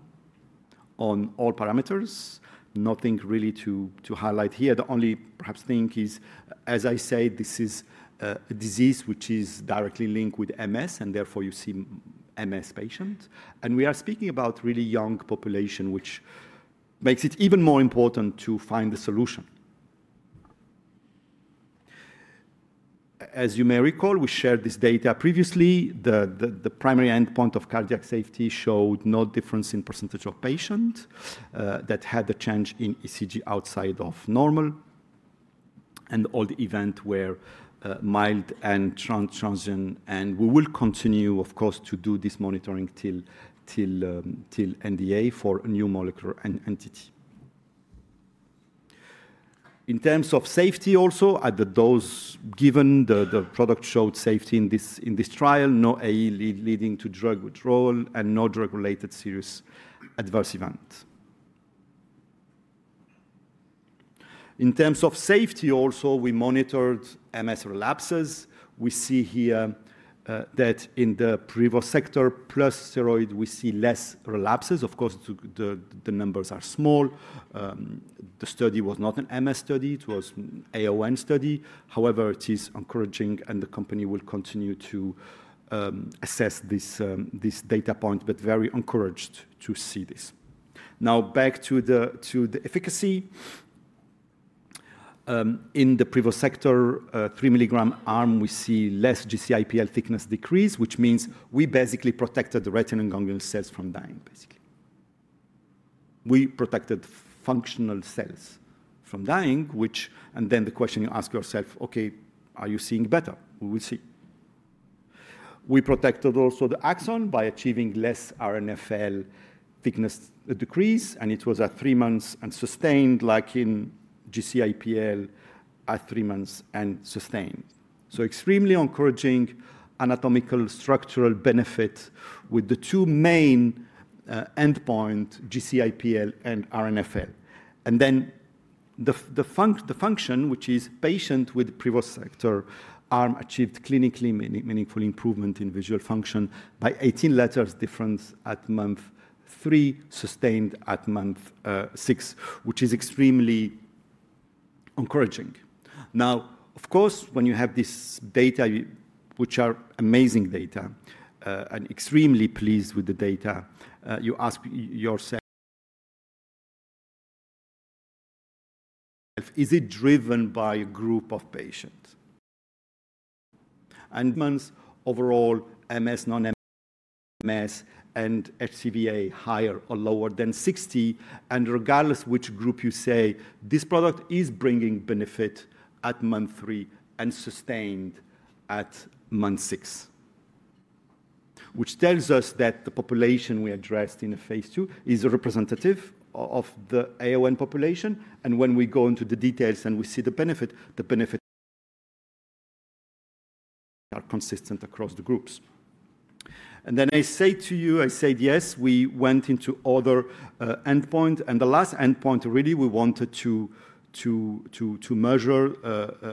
on all parameters. Nothing really to highlight here. The only perhaps thing is, as I said, this is a disease which is directly linked with MS, and therefore you see MS patients. We are speaking about a really young population, which makes it even more important to find the solution. As you may recall, we shared this data previously. The primary endpoint of cardiac safety showed no difference in percentage of patients that had the change in ECG outside of normal and all the events were mild and transient. We will continue, of course, to do this monitoring till NDA for a new molecular entity. In terms of safety also, at the dose given, the product showed safety in this trial, no AE leading to drug withdrawal and no drug-related serious adverse events. In terms of safety also, we monitored MS relapses. We see here that in the Privosegtor plus steroid, we see less relapses. Of course, the numbers are small. The study was not an MS study. It was an AON study. However, it is encouraging, and the company will continue to assess this data point, but very encouraged to see this. Now, back to the efficacy. In the Privosegtor, 3 mg arm, we see less GCIPL thickness decrease, which means we basically protected the retinal ganglion cells from dying, basically. We protected functional cells from dying, which and then the question you ask yourself, okay, are you seeing better? We will see. We protected also the axon by achieving less RNFL thickness decrease, and it was at three months and sustained like in GCIPL at three months and sustained. Extremely encouraging anatomical structural benefit with the two main endpoints, GCIPL and RNFL. Then the function, which is patient with Privosegtor arm, achieved clinically meaningful improvement in visual function by 18 letters difference at month three, sustained at month six, which is extremely encouraging. Now, of course, when you have this data, which are amazing data, and extremely pleased with the data, you ask yourself, is it driven by a group of patients? Months overall, MS, non-MS, and HCVA higher or lower than 60. Regardless which group you say, this product is bringing benefit at month three and sustained at month six, which tells us that the population we addressed in phase II is representative of the AON population. When we go into the details and we see the benefit, the benefits are consistent across the groups. I say to you, I said, yes, we went into other endpoints. The last endpoint really we wanted to measure,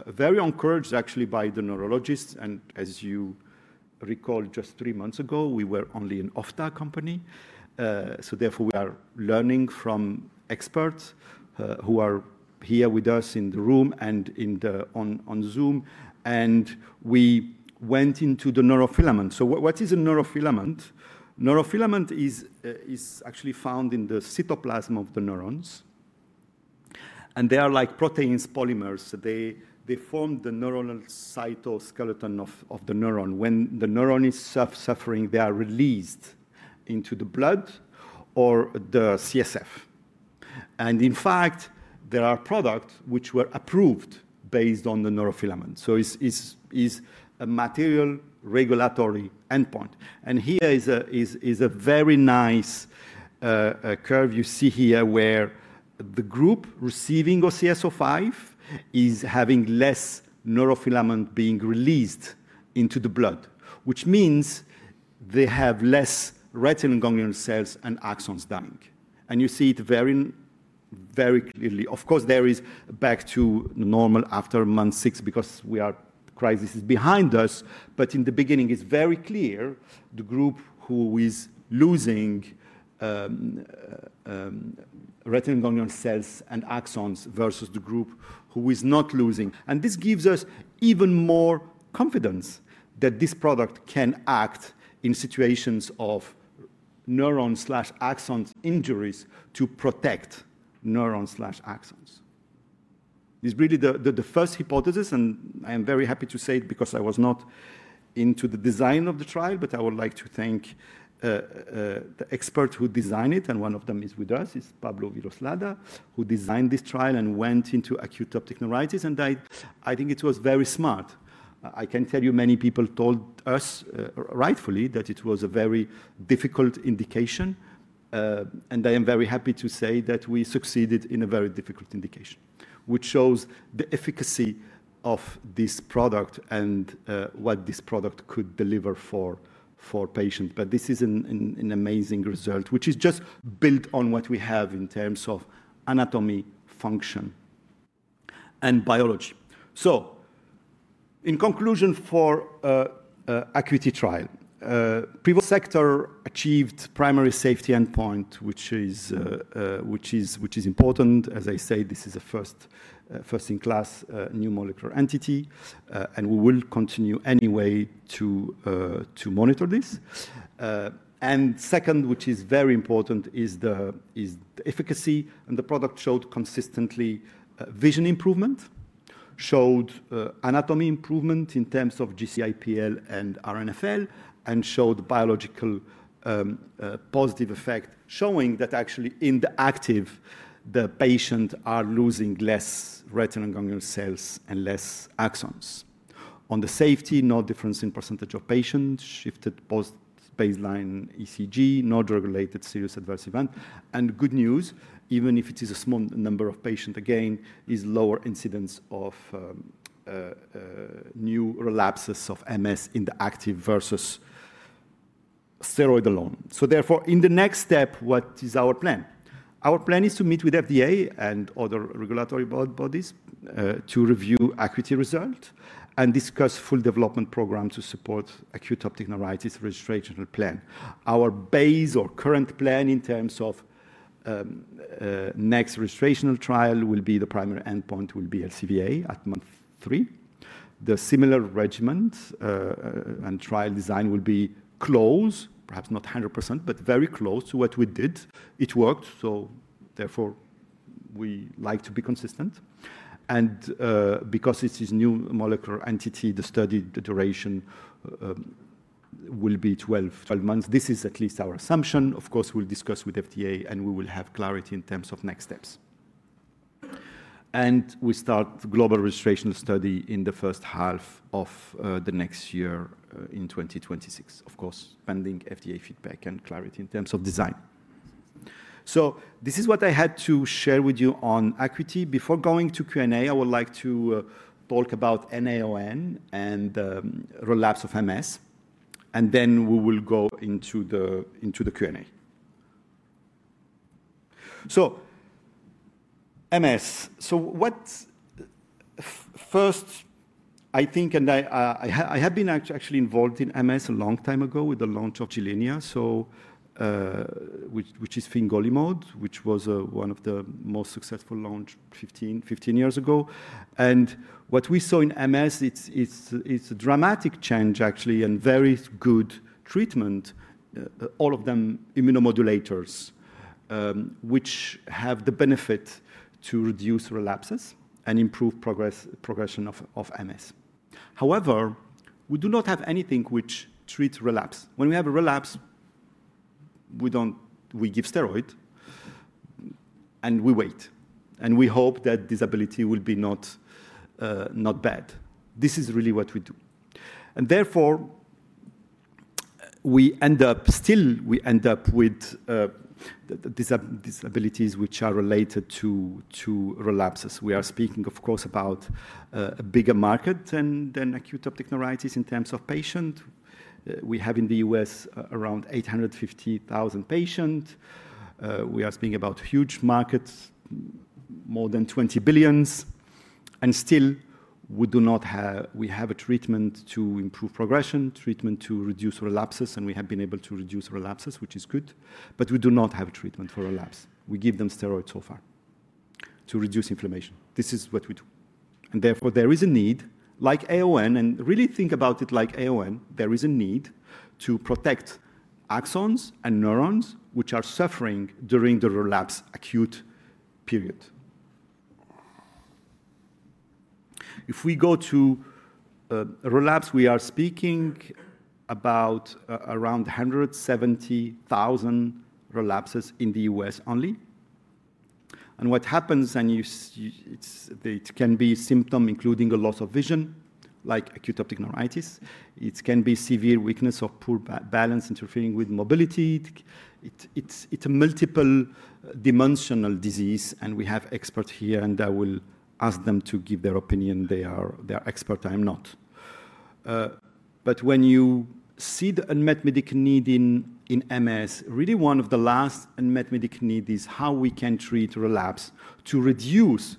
very encouraged actually by the neurologists. As you recall, just three months ago, we were only an off-tar company, so therefore we are learning from experts who are here with us in the room and on Zoom. We went into the neurofilament. What is a neurofilament? Neurofilament is actually found in the cytoplasm of the neurons, and they are like proteins, polymers. They form the neuronal cytoskeleton of the neuron. When the neuron is suffering, they are released into the blood or the CSF. In fact, there are products which were approved based on the neurofilament. It is a material regulatory endpoint. Here is a very nice curve you see here where the group receiving OCS-05 is having less neurofilament being released into the blood, which means they have less retinal ganglion cells and axons dying. You see it very clearly. Of course, there is back to normal after month six because the crisis is behind us. In the beginning, it is very clear the group who is losing retinal ganglion cells and axons versus the group who is not losing. This gives us even more confidence that this product can act in situations of neuron/axon injuries to protect neuron/axons. This is really the first hypothesis, and I am very happy to say it because I was not into the design of the trial, but I would like to thank the expert who designed it, and one of them is with us, is Pablo Villoslada, who designed this trial and went into acute optic neuritis. I think it was very smart. I can tell you many people told us rightfully that it was a very difficult indication. I am very happy to say that we succeeded in a very difficult indication, which shows the efficacy of this product and what this product could deliver for patients. This is an amazing result, which is just built on what we have in terms of anatomy, function, and biology. In conclusion for the ACUITY trial, Privosegtor achieved primary safety endpoint, which is important. As I said, this is a first-in-class new molecular entity, and we will continue anyway to monitor this. Second, which is very important, is the efficacy. The product showed consistently vision improvement, showed anatomy improvement in terms of GCIPL and RNFL, and showed biological positive effect, showing that actually in the active, the patients are losing less retinal ganglion cells and less axons. On the safety, no difference in percentage of patients, shifted post-baseline ECG, no drug-related serious adverse event. Good news, even if it is a small number of patients, again, is lower incidence of new relapses of MS in the active versus steroid alone. Therefore, in the next step, what is our plan? Our plan is to meet with FDA and other regulatory bodies to review ACUITY result and discuss full development program to support acute optic neuritis registration plan. Our base or current plan in terms of next registrational trial will be the primary endpoint will be LCVA at month three. The similar regiment and trial design will be close, perhaps not 100%, but very close to what we did. It worked, so therefore we like to be consistent. Because this is a new molecular entity, the study duration will be 12 months. This is at least our assumption. Of course, we'll discuss with FDA, and we will have clarity in terms of next steps. We start global registration study in the first half of the next year in 2026, of course, pending FDA feedback and clarity in terms of design. This is what I had to share with you on ACUITY. Before going to Q&A, I would like to talk about NAION and relapses of MS, and then we will go into the Q&A. MS, what first, I think, and I have been actually involved in MS a long time ago with the launch of Gilenya, which is fingolimod, which was one of the most successful launches 15 years ago. What we saw in MS, it is a dramatic change actually and very good treatment, all of them immunomodulators, which have the benefit to reduce relapses and improve progression of MS. However, we do not have anything which treats relapses. When we have a relapse, we give steroid and we wait, and we hope that disability will be not bad. This is really what we do. Therefore, we end up still, we end up with disabilities which are related to relapses. We are speaking, of course, about a bigger market than acute optic neuritis in terms of patients. We have in the U.S. around 850,000 patients. We are speaking about huge markets, more than $20 billion. Still, we do not have a treatment to improve progression, treatment to reduce relapses, and we have been able to reduce relapses, which is good, but we do not have a treatment for relapses. We give them steroids so far to reduce inflammation. This is what we do. Therefore, there is a need like AON, and really think about it like AON, there is a need to protect axons and neurons which are suffering during the relapse acute period. If we go to relapse, we are speaking about around 170,000 relapses in the U.S. only. What happens, and it can be a symptom including a loss of vision like acute optic neuritis. It can be severe weakness or poor balance interfering with mobility. It's a multiple-dimensional disease, and we have experts here, and I will ask them to give their opinion. They are experts. I am not. When you see the unmet medical need in MS, really one of the last unmet medical needs is how we can treat relapses to reduce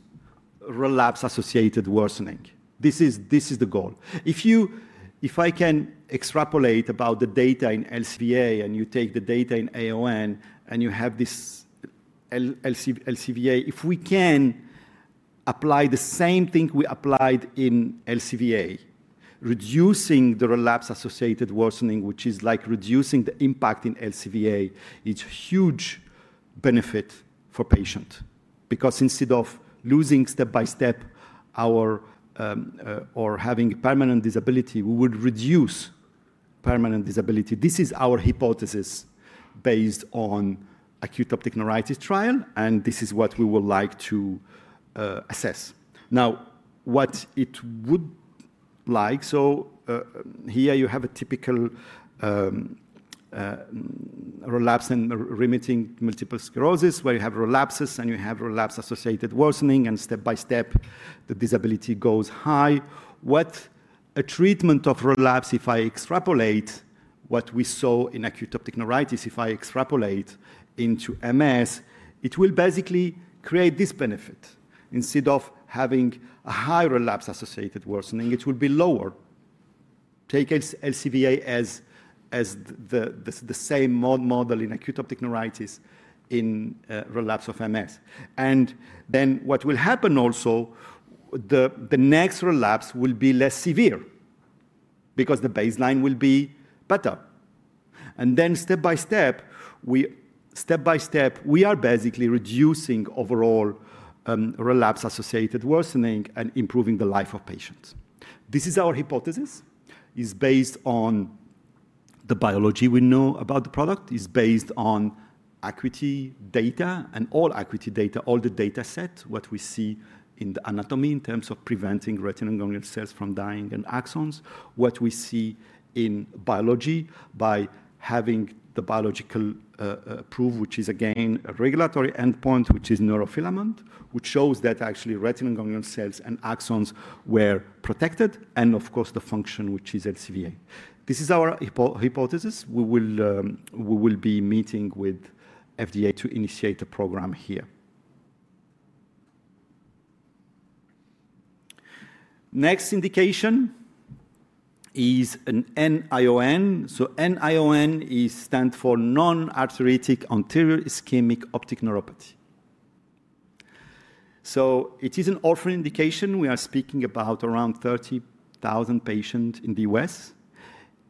relapse-associated worsening. This is the goal. If I can extrapolate about the data in LCVA and you take the data in AON and you have this LCVA, if we can apply the same thing we applied in LCVA, reducing the Relapse-Associated Worsening, which is like reducing the impact in LCVA, it's a huge benefit for patients because instead of losing step by step or having permanent disability, we would reduce permanent disability. This is our hypothesis based on the acute optic neuritis trial, and this is what we would like to assess. Now, what it would like, so here you have a typical relapse and remitting multiple sclerosis where you have relapse and you have Relapse-Associated Worsening, and step by step, the disability goes high. What a treatment of relapse, if I extrapolate what we saw in acute optic neuritis, if I extrapolate into MS, it will basically create this benefit. Instead of having a high Relapse-Associated Worsening, it will be lower. Take LCVA as the same model in acute optic neuritis in relapse of MS. What will happen also, the next relapse will be less severe because the baseline will be better. Step by step, we are basically reducing overall relapse-associated worsening and improving the life of patients. This is our hypothesis. It's based on the biology we know about the product. It's based on ACUITY data and all ACUITY data, all the data set, what we see in the anatomy in terms of preventing retinal ganglion cells from dying and axons, what we see in biology by having the biological proof, which is again a regulatory endpoint, which is neurofilament, which shows that actually retinal ganglion cells and axons were protected, and of course, the function, which is LCVA. This is our hypothesis. We will be meeting with FDA to initiate the program here. Next indication is an NAION. NAION stands for Non-arteritic Anterior Ischemic Optic Neuropathy. It is an orphan indication. We are speaking about around 30,000 patients in the U.S.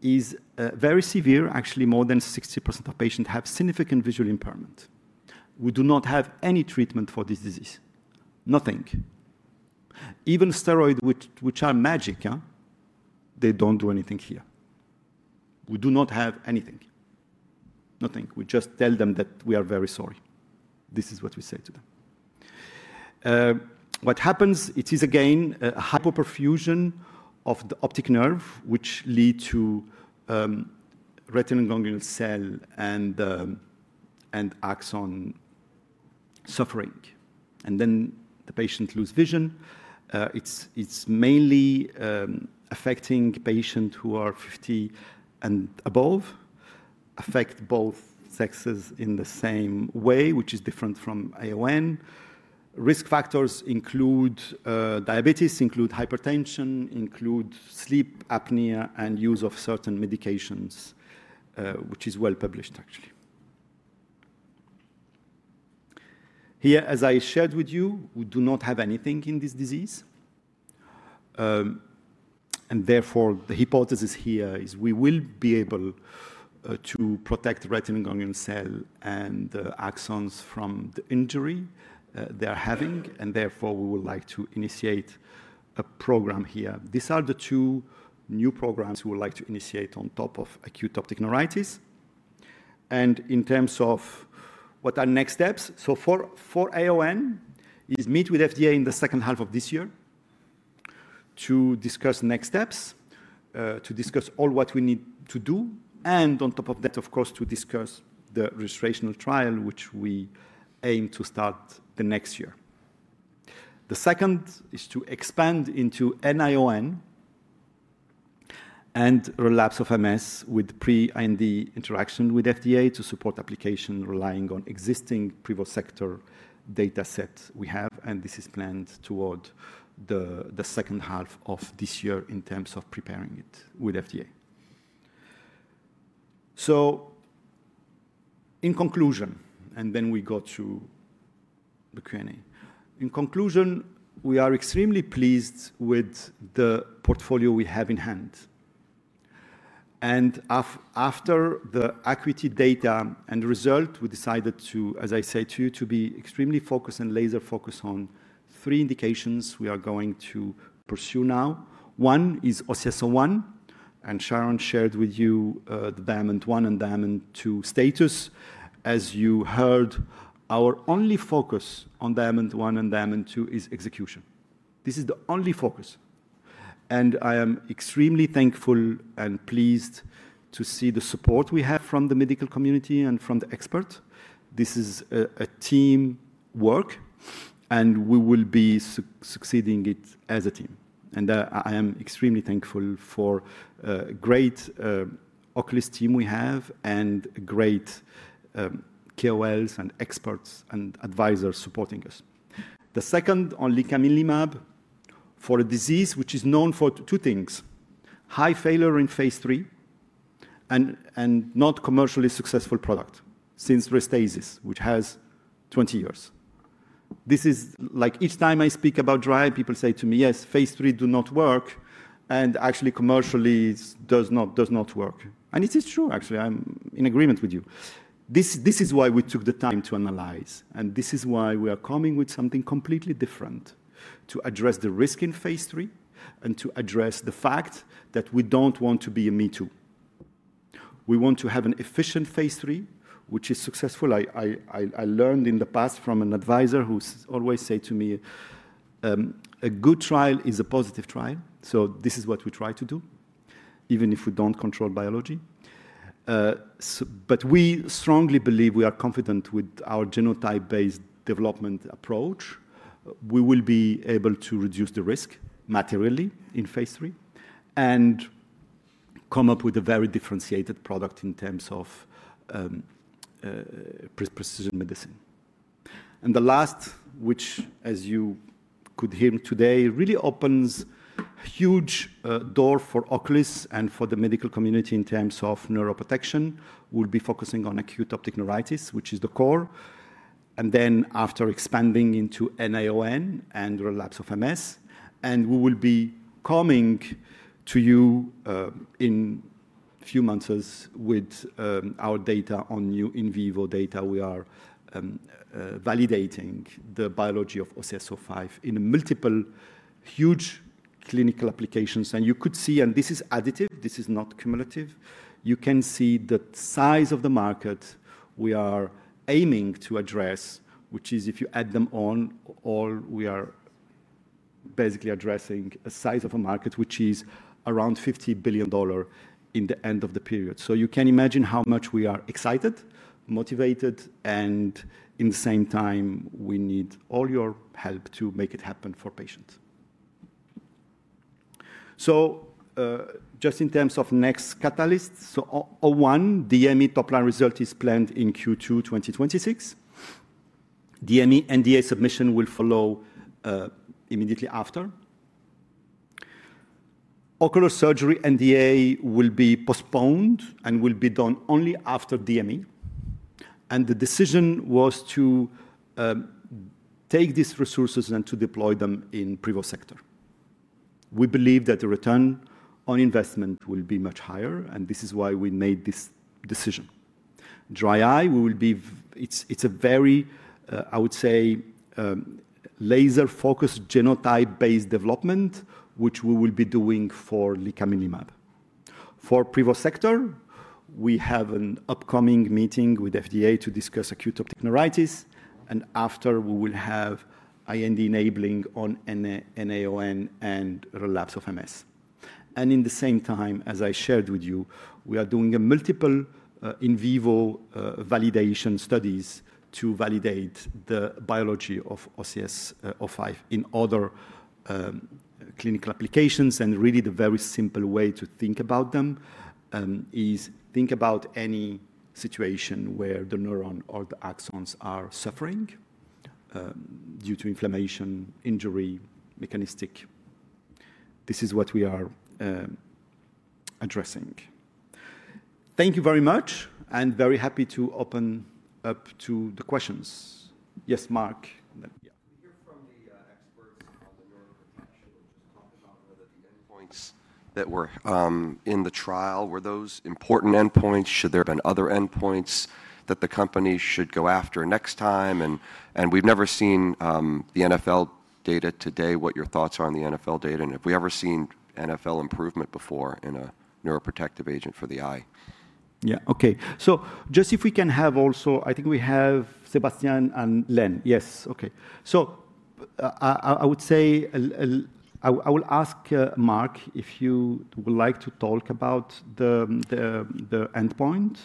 It's very severe. Actually, more than 60% of patients have significant visual impairment. We do not have any treatment for this disease. Nothing. Even steroids, which are magic, they don't do anything here. We do not have anything. Nothing. We just tell them that we are very sorry. This is what we say to them. What happens, it is again a hypoperfusion of the optic nerve, which leads to retinal ganglion cells and axon suffering. The patient loses vision. It's mainly affecting patients who are 50 and above, affecting both sexes in the same way, which is different from AON. Risk factors include diabetes, include hypertension, include sleep apnea, and use of certain medications, which is well published actually. Here, as I shared with you, we do not have anything in this disease. Therefore, the hypothesis here is we will be able to protect retinal ganglion cells and axons from the injury they are having. Therefore, we would like to initiate a program here. These are the two new programs we would like to initiate on top of acute optic neuritis. In terms of what are next steps, for AON, it's meet with FDA in the second half of this year to discuss next steps, to discuss all what we need to do. On top of that, of course, to discuss the registrational trial, which we aim to start the next year. The second is to expand into NAION and relapses of MS with pre-IND interaction with FDA to support application relying on existing Privosegtor data sets we have. This is planned toward the second half of this year in terms of preparing it with FDA. In conclusion, we are extremely pleased with the portfolio we have in hand. After the ACUITY data and the result, we decided to, as I said to you, to be extremely focused and laser-focused on three indications we are going to pursue now. One is OCS-01, and Sharon shared with you the DIAMOND 1 and DIAMOND 2 status. As you heard, our only focus on DIAMOND 1 and DIAMOND 2 is execution. This is the only focus. I am extremely thankful and pleased to see the support we have from the medical community and from the experts. This is a team work, and we will be succeeding it as a team. I am extremely thankful for a great Oculis team we have and great KOLs and experts and advisors supporting us. Second, only Licaminlimab for a disease which is known for two things: high failure in phase III and not commercially successful product since Restasis, which has 20 years. This is like each time I speak about dry, people say to me, "Yes, phase III does not work," and actually commercially it does not work. It is true actually. I'm in agreement with you. This is why we took the time to analyze, and this is why we are coming with something completely different to address the risk in phase III and to address the fact that we do not want to be a me-too. We want to have an efficient phase III, which is successful. I learned in the past from an advisor who always said to me, "A good trial is a positive trial." This is what we try to do, even if we do not control biology. We strongly believe we are confident with our genotype-based development approach. We will be able to reduce the risk materially in phase III and come up with a very differentiated product in terms of precision medicine. The last, which, as you could hear today, really opens a huge door for Oculis and for the medical community in terms of neuroprotection, we'll be focusing on acute optic neuritis, which is the core. After expanding into NAION and relapses of MS, we will be coming to you in a few months with our data on new in vivo data. We are validating the biology of OCS-05 in multiple huge clinical applications. You could see, and this is additive, this is not cumulative. You can see the size of the market we are aiming to address, which is if you add them all, we are basically addressing a size of a market which is around $50 billion in the end of the period. You can imagine how much we are excited, motivated, and at the same time, we need all your help to make it happen for patients. Just in terms of next catalysts, OCS-01, DME top-line result is planned in Q2 2026. DME NDA submission will follow immediately after. Ocular surgery NDA will be postponed and will be done only after DME. The decision was to take these resources and to deploy them in Privosegtor. We believe that the return on investment will be much higher, and this is why we made this decision. Dry eye, it's a very, I would say, laser-focused genotype-based development, which we will be doing for Licaminlimab. For Privosegtor, we have an upcoming meeting with FDA to discuss acute optic neuritis. After, we will have IND enabling on NAION and relapses of MS. At the same time, as I shared with you, we are doing multiple in vivo validation studies to validate the biology of OCS-05 in other clinical applications. Really, the very simple way to think about them is think about any situation where the neuron or the axons are suffering due to inflammation, injury, mechanistic. This is what we are addressing. Thank you very much, and very happy to open up to the questions. Yes, Marc? Yeah. Can we hear from the experts on the neuroprotection and just talk about whether the endpoints that were in the trial, were those important endpoints? Should there have been other endpoints that the company should go after next time? We have never seen the RNFL data today. What your thoughts are on the RNFL data? Have we ever seen RNFL improvement before in a neuroprotective agent for the eye? Yeah, okay. If we can have also, I think we have Sebastian and Len. Yes, okay. I would say I will ask Mark if you would like to talk about the endpoint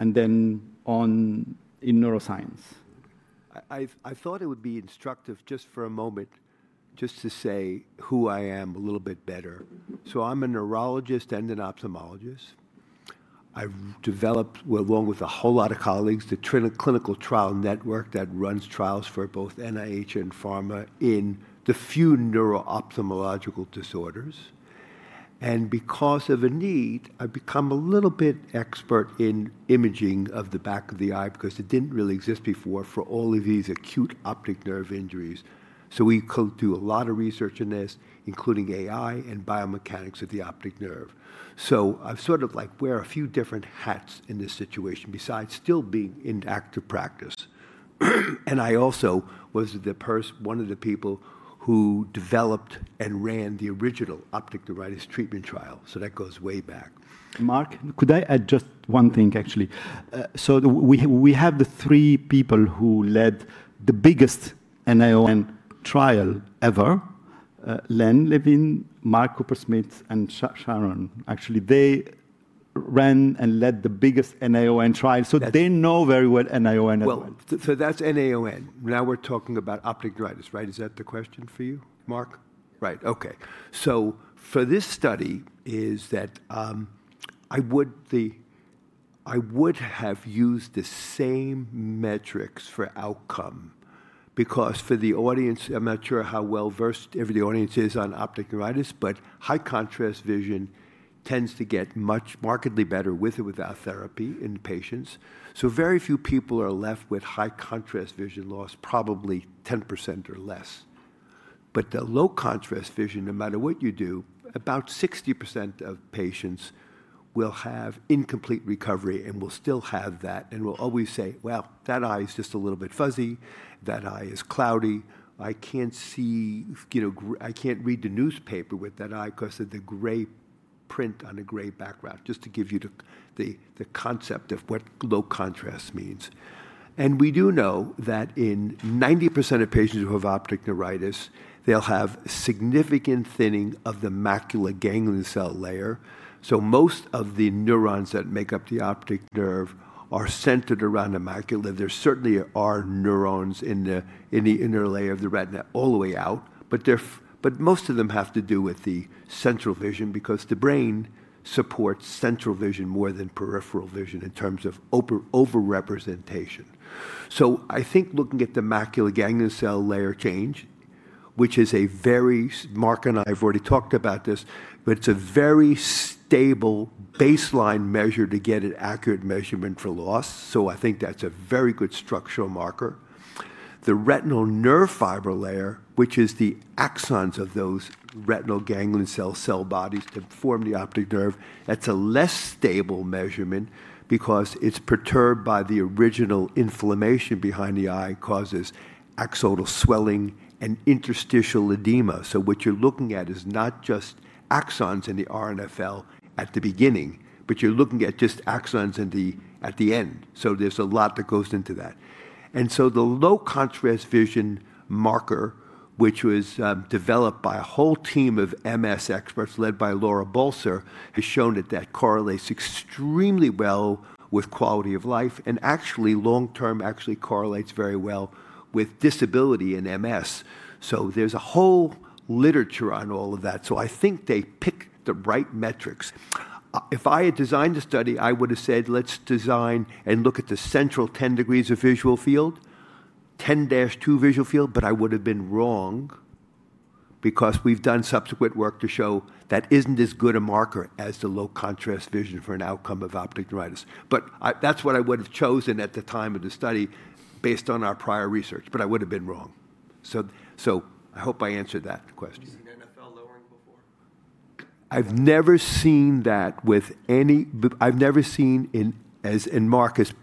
and then on in neuroscience. I thought it would be instructive just for a moment just to say who I am a little bit better. I am a neurologist and an ophthalmologist. I have developed, along with a whole lot of colleagues, the clinical trial network that runs trials for both NIH and pharma in the few neuro-ophthalmological disorders. Because of a need, I have become a little bit expert in imaging of the back of the eye because it did not really exist before for all of these acute optic nerve injuries. We could do a lot of research in this, including AI and biomechanics of the optic nerve. I've sort of like wear a few different hats in this situation besides still being in active practice. I also was one of the people who developed and ran the original optic neuritis treatment trial. That goes way back. Mark, could I add just one thing actually? We have the three people who led the biggest NAION trial ever: Len Levin, Mark Kupersmith, and Sharon. Actually, they ran and led the biggest NAION trial. They know very well NAION as well. That's NAION. Now we're talking about optic neuritis, right? Is that the question for you, Marc? Right, okay. For this study, I would have used the same metrics for outcome because for the audience, I'm not sure how well-versed every audience is on optic neuritis, but high-contrast vision tends to get markedly better with or without therapy in patients. Very few people are left with high-contrast vision loss, probably 10% or less. The low-contrast vision, no matter what you do, about 60% of patients will have incomplete recovery and will still have that. We'll always say, "Well, that eye is just a little bit fuzzy. That eye is cloudy. I can't see. I can't read the newspaper with that eye because of the gray print on a gray background," just to give you the concept of what low contrast means. We do know that in 90% of patients who have optic neuritis, they'll have significant thinning of the macula ganglion cell layer. Most of the neurons that make up the optic nerve are centered around the macula. There certainly are neurons in the inner layer of the retina all the way out, but most of them have to do with the central vision because the brain supports central vision more than peripheral vision in terms of overrepresentation. I think looking at the macula ganglion cell layer change, which is a very—Marc and I have already talked about this—but it's a very stable baseline measure to get an accurate measurement for loss. I think that's a very good structural marker. The retinal nerve fiber layer, which is the axons of those retinal ganglion cell cell bodies that form the optic nerve, that's a less stable measurement because it's perturbed by the original inflammation behind the eye, causes axonal swelling and interstitial edema. What you're looking at is not just axons in the RNFL at the beginning, but you're looking at just axons at the end. There's a lot that goes into that. The low-contrast vision marker, which was developed by a whole team of MS experts led by Laura Balcer, has shown that that correlates extremely well with quality of life and actually long-term actually correlates very well with disability in MS. There's a whole literature on all of that. I think they picked the right metrics. If I had designed the study, I would have said, "Let's design and look at the central 10° of visual field, 10:2 visual field," but I would have been wrong because we've done subsequent work to show that isn't as good a marker as the low-contrast vision for an outcome of optic neuritis. That's what I would have chosen at the time of the study based on our prior research, but I would have been wrong. I hope I answered that question. Have you seen RNFL lowering before? I've never seen that with any—I've never seen in—as in Marc as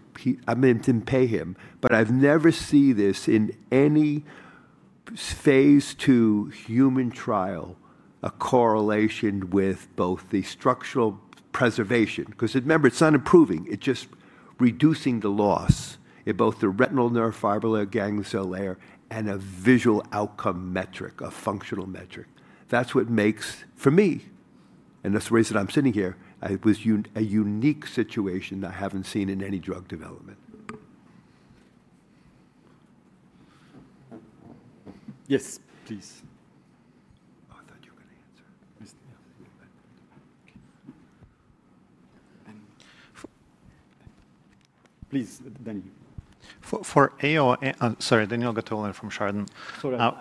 I meant in Payham, but I've never seen this in any phase II human trial, a correlation with both the structural preservation. Because remember, it's not improving. It's just reducing the loss in both the retinal nerve fiber layer, ganglion cell layer, and a visual outcome metric, a functional metric. That's what makes, for me, and that's the reason I'm sitting here, it was a unique situation I haven't seen in any drug development. Yes, please. Oh, I thought you were going to answer. Please, Daniil. For AON—sorry, Daniil from Chardan. Sorry, I'm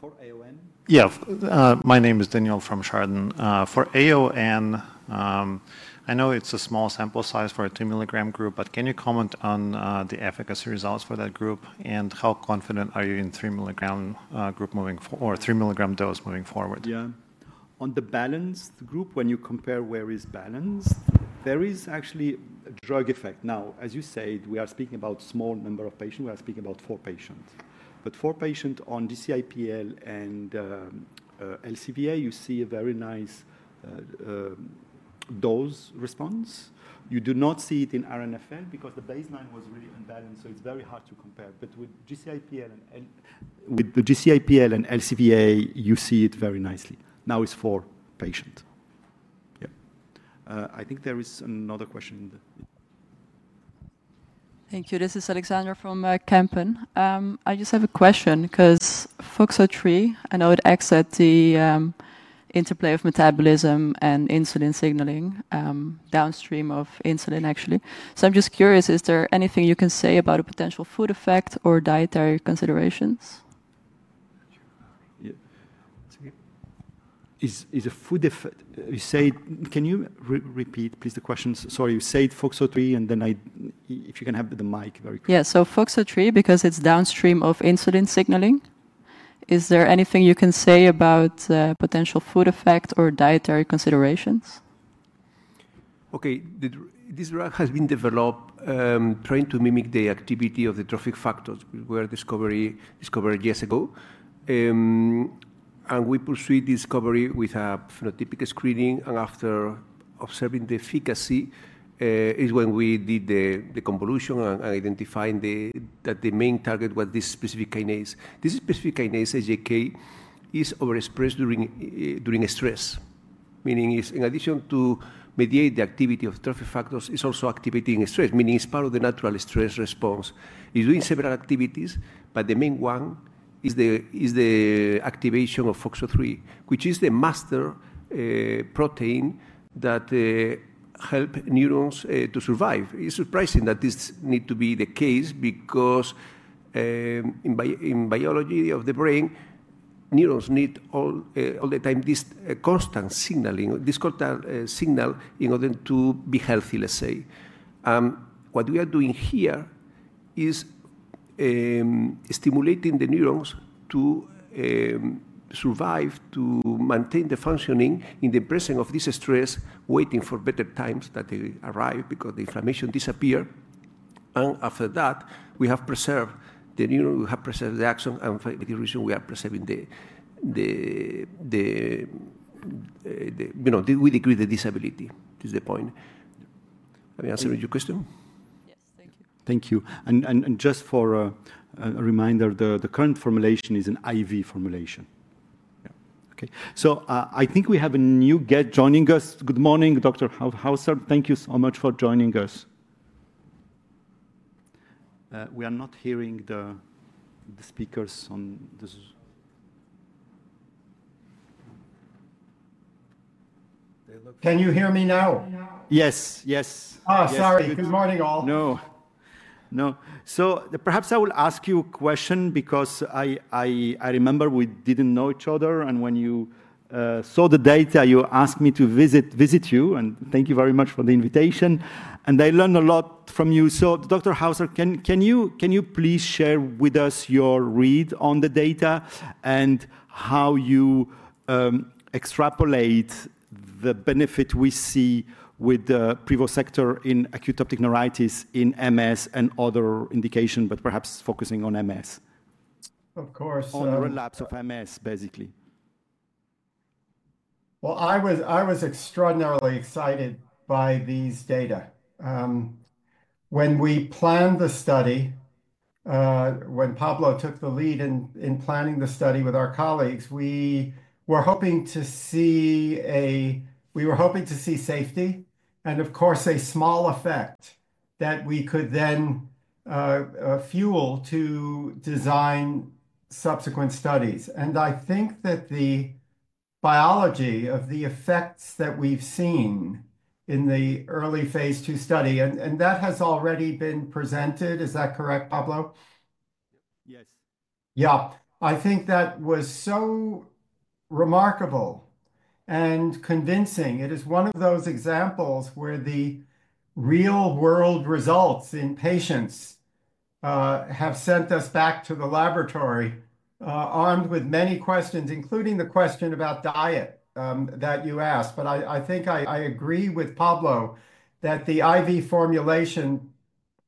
looking for AON. Yeah, my name is Daniil from Chardan. For AON, I know it's a small sample size for a 2 mg group, but can you comment on the efficacy results for that group and how confident are you in 3 mg group moving forward or 3 mg dose moving forward? Yeah. On the balanced group, when you compare where is balanced, there is actually a drug effect. Now, as you said, we are speaking about a small number of patients. We are speaking about four patients. But four patients on GCIPL and LCVA, you see a very nice dose response. You do not see it in RNFL because the baseline was really unbalanced, so it's very hard to compare. But with GCIPL and LCVA, you see it very nicely. Now it's four patients. Yeah. I think there is another question in the— Thank you. This is [Alexandra] from Kempen. I just have a question because FOXO3, I know it exists at the interplay of metabolism and insulin signaling downstream of insulin, actually. So I'm just curious, is there anything you can say about a potential food effect or dietary considerations? Is a food effect—can you repeat, please, the question? Sorry, you said FOXO3, and then if you can have the mic very quickly. Yeah, so FOXO3, because it's downstream of insulin signaling, is there anything you can say about potential food effect or dietary considerations? Okay, this drug has been developed trying to mimic the activity of the trophic factors we were discovering years ago. We pursued the discovery with a phenotypic screening, and after observing the efficacy, is when we did the convolution and identified that the main target was this specific kinase. This specific kinase, SJK, is overexpressed during stress, meaning it's, in addition to mediate the activity of trophic factors, it's also activating stress, meaning it's part of the natural stress response. It's doing several activities, but the main one is the activation of FOXO3, which is the master protein that helps neurons to survive. It's surprising that this needs to be the case because in biology of the brain, neurons need all the time this constant signaling, this cortisol signal in order to be healthy, let's say. What we are doing here is stimulating the neurons to survive, to maintain the functioning in the presence of this stress, waiting for better times that they arrive because the inflammation disappears. After that, we have preserved the neuron, we have preserved the axon, and the reason we are preserving the—we decrease the disability is the point. I'm answering your question? Yes, thank you. Thank you. Just for a reminder, the current formulation is an IV formulation. Yeah, okay. I think we have a new guest joining us. Good morning, Dr. Hauser. Thank you so much for joining us. We are not hearing the speakers on this. Can you hear me now? Yes, yes. Sorry. Good morning, all. No, no. Perhaps I will ask you a question because I remember we did not know each other, and when you saw the data, you asked me to visit you, and thank you very much for the invitation. I learned a lot from you. Dr. Hauser, can you please share with us your read on the data and how you extrapolate the benefit we see with the previous sector in acute optic neuritis in MS and other indications, perhaps focusing on MS? Of course. On the relapse of MS, basically. I was extraordinarily excited by these data. When we planned the study, when Pablo took the lead in planning the study with our colleagues, we were hoping to see a—we were hoping to see safety and, of course, a small effect that we could then fuel to design subsequent studies. I think that the biology of the effects that we've seen in the early phase II study, and that has already been presented, is that correct, Pablo? Yes. Yeah, I think that was so remarkable and convincing. It is one of those examples where the real-world results in patients have sent us back to the laboratory, armed with many questions, including the question about diet that you asked. I think I agree with Pablo that the IV formulation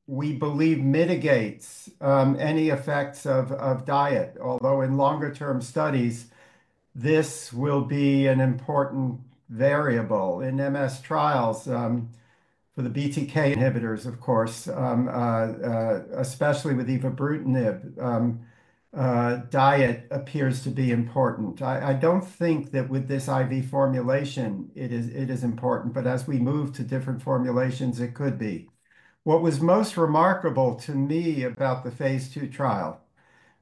we believe mitigates any effects of diet, although in longer-term studies, this will be an important variable in MS trials for the BTK inhibitors, of course, especially with ivermectin. Diet appears to be important. I don't think that with this IV formulation, it is important, but as we move to different formulations, it could be. What was most remarkable to me about the phase II trial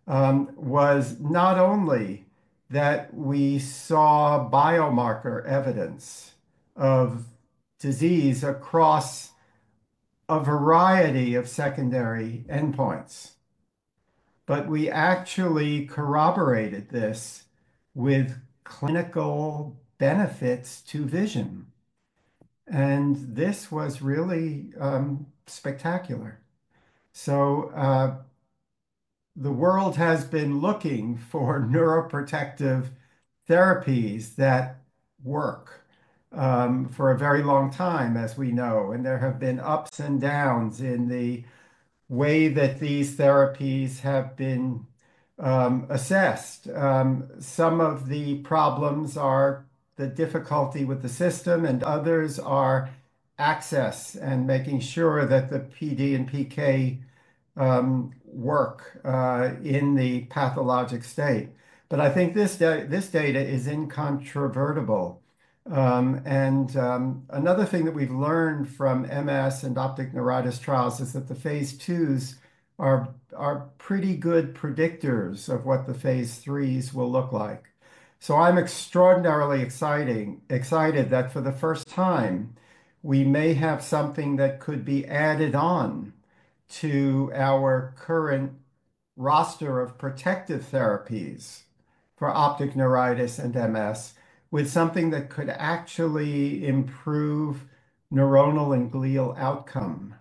was not only that we saw biomarker evidence of disease across a variety of secondary endpoints, but we actually corroborated this with clinical benefits to vision. This was really spectacular. The world has been looking for neuroprotective therapies that work for a very long time, as we know, and there have been ups and downs in the way that these therapies have been assessed. Some of the problems are the difficulty with the system, and others are access and making sure that the PD and PK work in the pathologic state. I think this data is incontrovertible. Another thing that we've learned from MS and optic neuritis trials is that the phase II are pretty good predictors of what the phase III will look like. I'm extraordinarily excited that for the first time, we may have something that could be added on to our current roster of protective therapies for optic neuritis and MS with something that could actually improve neuronal and glial outcome.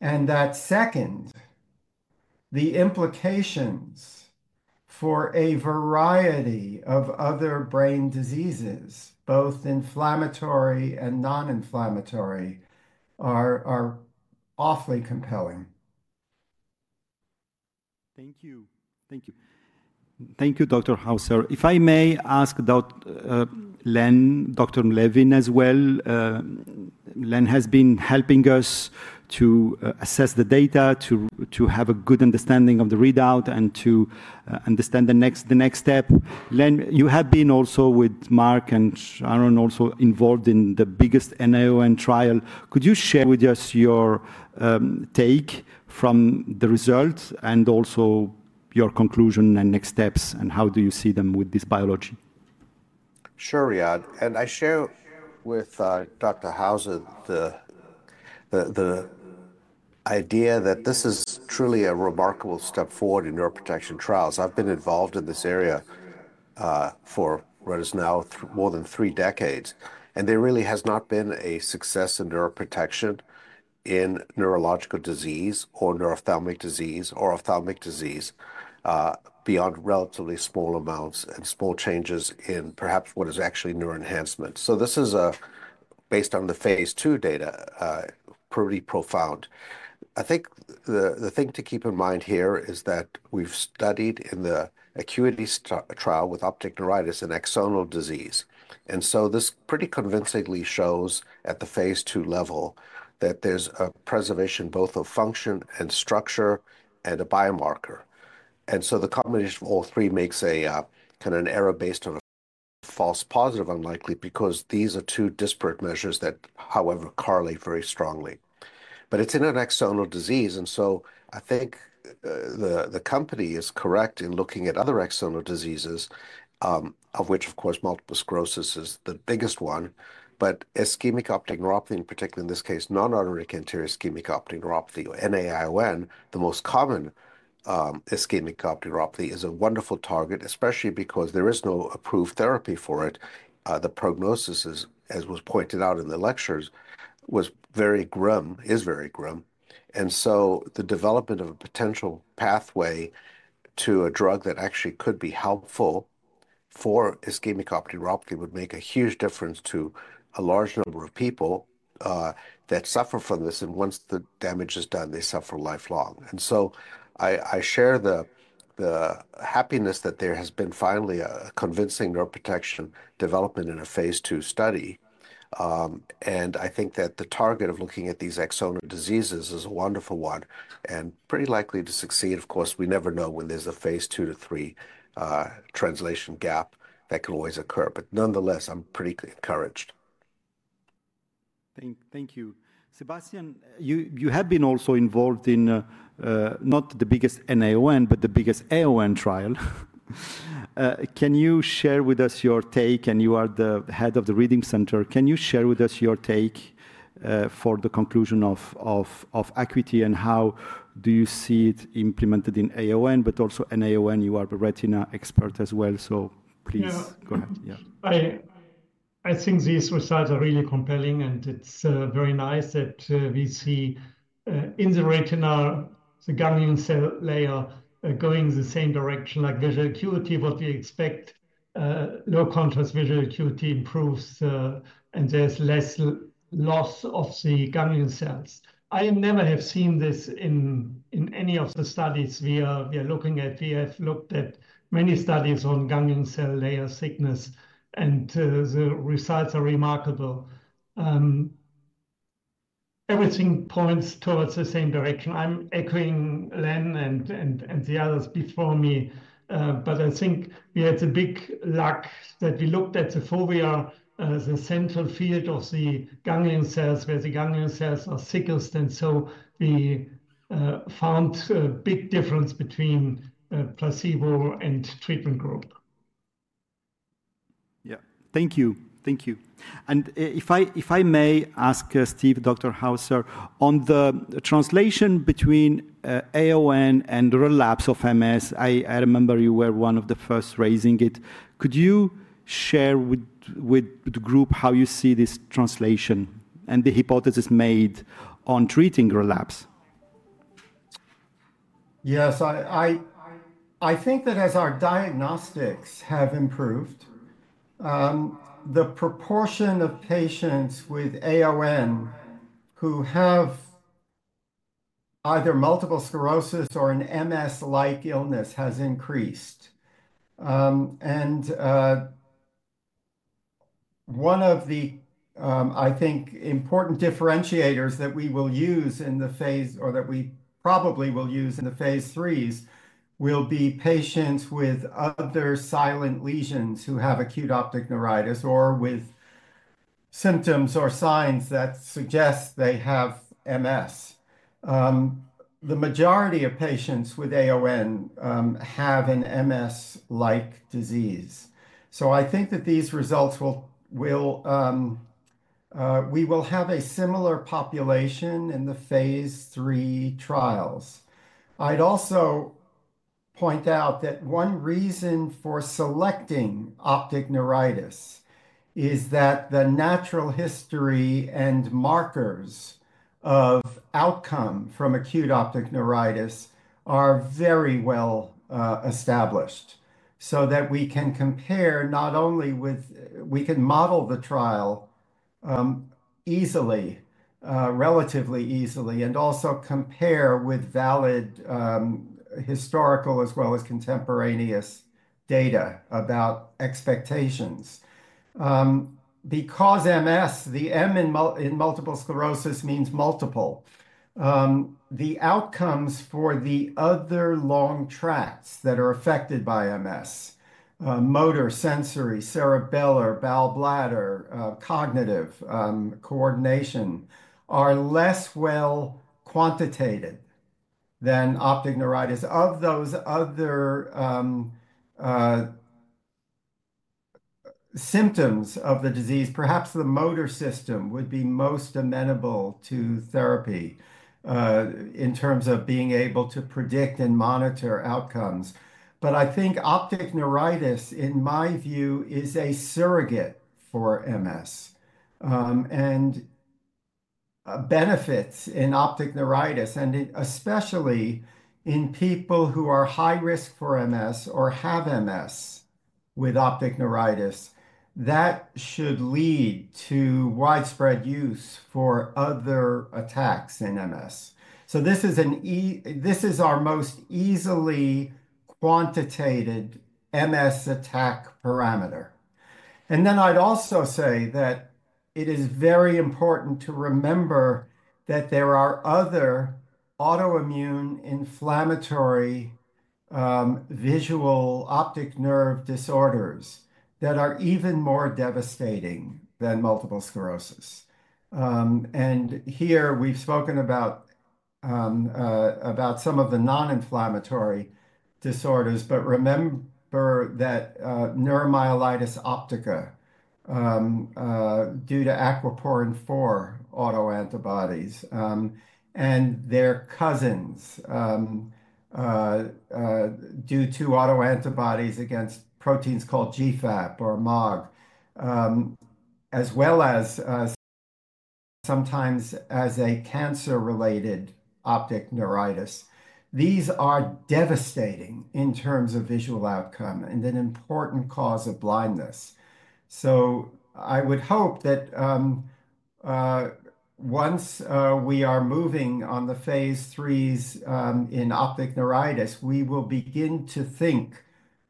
That second, the implications for a variety of other brain diseases, both inflammatory and non-inflammatory, are awfully compelling. Thank you. Thank you. Thank you, Dr. Hauser. If I may ask Dr. Len as well, Len has been helping us to assess the data, to have a good understanding of the readout, and to understand the next step. Len, you have been also with Mark and Sharon also involved in the biggest NAION trial. Could you share with us your take from the results and also your conclusion and next steps, and how do you see them with this biology? Sure, Riad. I share with Dr. Hauser, the idea that this is truly a remarkable step forward in neuroprotection trials. I've been involved in this area for what is now more than three decades, and there really has not been a success in neuroprotection in neurological disease or neuro-ophthalmic disease or ophthalmic disease beyond relatively small amounts and small changes in perhaps what is actually neuroenhancement. This is based on the phase II data, pretty profound. I think the thing to keep in mind here is that we've studied in the ACUITY trial with optic neuritis and axonal disease. This pretty convincingly shows at the phase II level that there's a preservation both of function and structure and a biomarker. The combination of all three makes a kind of an error based on false positive unlikely because these are two disparate measures that, however, correlate very strongly. It's in an axonal disease, and so I think the company is correct in looking at other axonal diseases, of which, of course, multiple sclerosis is the biggest one. Ischemic optic neuropathy, in particular in this case, non-arteritic anterior ischemic optic neuropathy, or NAION, the most common ischemic optic neuropathy, is a wonderful target, especially because there is no approved therapy for it. The prognosis, as was pointed out in the lectures, was very grim, is very grim. The development of a potential pathway to a drug that actually could be helpful for ischemic optic neuropathy would make a huge difference to a large number of people that suffer from this. Once the damage is done, they suffer lifelong. I share the happiness that there has been finally a convincing neuroprotection development in a phase II study. I think that the target of looking at these axonal diseases is a wonderful one and pretty likely to succeed. Of course, we never know when there's a phase II to phase III translation gap that can always occur. Nonetheless, I'm pretty encouraged. Thank you. Sebastian, you have been also involved in not the biggest NAION, but the biggest AON trial. Can you share with us your take? You are the head of the reading center. Can you share with us your take for the conclusion of equity and how do you see it implemented in AON, but also NAION? You are the retina expert as well, so please go ahead. Yeah. I think these results are really compelling, and it's very nice that we see in the retina, the ganglion cell layer going the same direction like visual acuity, what we expect. Low contrast visual acuity improves, and there's less loss of the ganglion cells. I never have seen this in any of the studies we are looking at. We have looked at many studies on ganglion cell layer thickness, and the results are remarkable. Everything points towards the same direction. I'm echoing Len and the others before me, but I think we had the big luck that we looked at the fovea, the central field of the ganglion cells, where the ganglion cells are thickest. We found a big difference between placebo and treatment group. Thank you. Thank you. If I may ask Stephen, Dr. Hauser, on the translation between AON and relapse of MS, I remember you were one of the first raising it. Could you share with the group how you see this translation and the hypothesis made on treating relapse? Yes, I think that as our diagnostics have improved, the proportion of patients with AON who have either multiple sclerosis or an MS-like illness has increased. One of the, I think, important differentiators that we will use in the phase, or that we probably will use in the phase III, will be patients with other silent lesions who have acute optic neuritis or with symptoms or signs that suggest they have MS. The majority of patients with AON have an MS-like disease. I think that these results will—we will have a similar population in the phase III trials. I'd also point out that one reason for selecting optic neuritis is that the natural history and markers of outcome from acute optic neuritis are very well established so that we can compare not only with—we can model the trial easily, relatively easily, and also compare with valid historical as well as contemporaneous data about expectations. Because MS, the M in multiple sclerosis means multiple, the outcomes for the other long tracts that are affected by MS—motor, sensory, cerebellar, bowel-bladder, cognitive coordination—are less well quantitated than optic neuritis. Of those other symptoms of the disease, perhaps the motor system would be most amenable to therapy in terms of being able to predict and monitor outcomes. I think optic neuritis, in my view, is a surrogate for MS and benefits in optic neuritis, and especially in people who are high risk for MS or have MS with optic neuritis, that should lead to widespread use for other attacks in MS. This is our most easily quantitated MS attack parameter. I would also say that it is very important to remember that there are other autoimmune inflammatory visual optic nerve disorders that are even more devastating than multiple sclerosis. Here we have spoken about some of the non-inflammatory disorders, but remember that neuromyelitis optica due to aquaporin IV autoantibodies and their cousins due to autoantibodies against proteins called GFAP or MOG, as well as sometimes as a cancer-related optic neuritis. These are devastating in terms of visual outcome and an important cause of blindness. I would hope that once we are moving on the phase III in optic neuritis, we will begin to think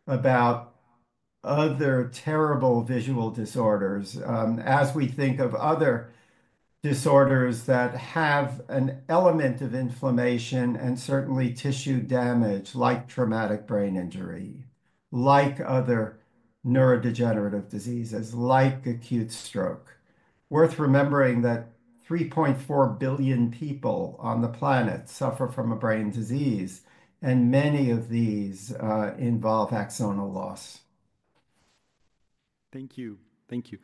about other terrible visual disorders as we think of other disorders that have an element of inflammation and certainly tissue damage, like traumatic brain injury, like other neurodegenerative diseases, like acute stroke. Worth remembering that 3.4 billion people on the planet suffer from a brain disease, and many of these involve axonal loss. Thank you. Thank you.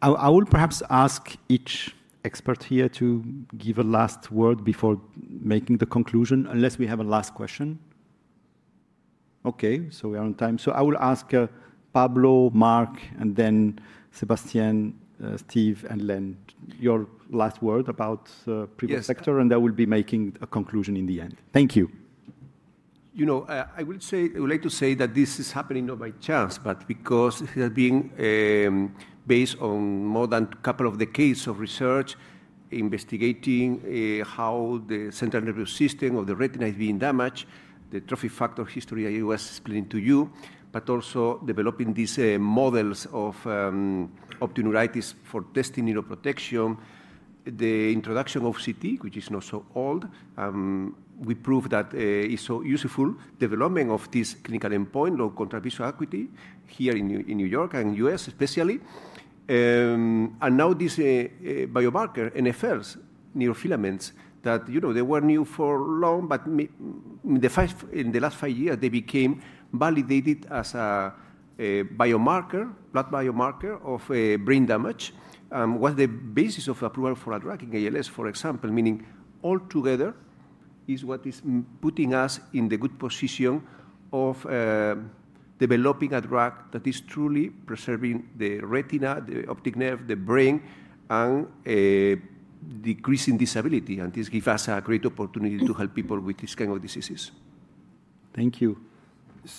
I will perhaps ask each expert here to give a last word before making the conclusion, unless we have a last question. Okay, we are on time. I will ask Pablo, Mark, and then Sebastian, Stephen, and Len, your last word about the previous sector, and I will be making a conclusion in the end. Thank you. You know, I would like to say that this is happening on my chance, but because it has been based on more than a couple of decades of research investigating how the central nervous system of the retina is being damaged, the trophic factor history I was explaining to you, but also developing these models of optic neuritis for testing neuroprotection, the introduction of OCT, which is not so old. We proved that it's so useful. Development of this clinical endpoint, low contrast visual acuity here in New York and U.S. especially. Now these biomarkers, RNFLs, neurofilaments that, you know, they were new for long, but in the last five years, they became validated as a biomarker, blood biomarker of brain damage, was the basis of approval for a drug in ALS, for example, meaning altogether is what is putting us in the good position of developing a drug that is truly preserving the retina, the optic nerve, the brain, and decreasing disability. This gives us a great opportunity to help people with these kinds of diseases. Thank you.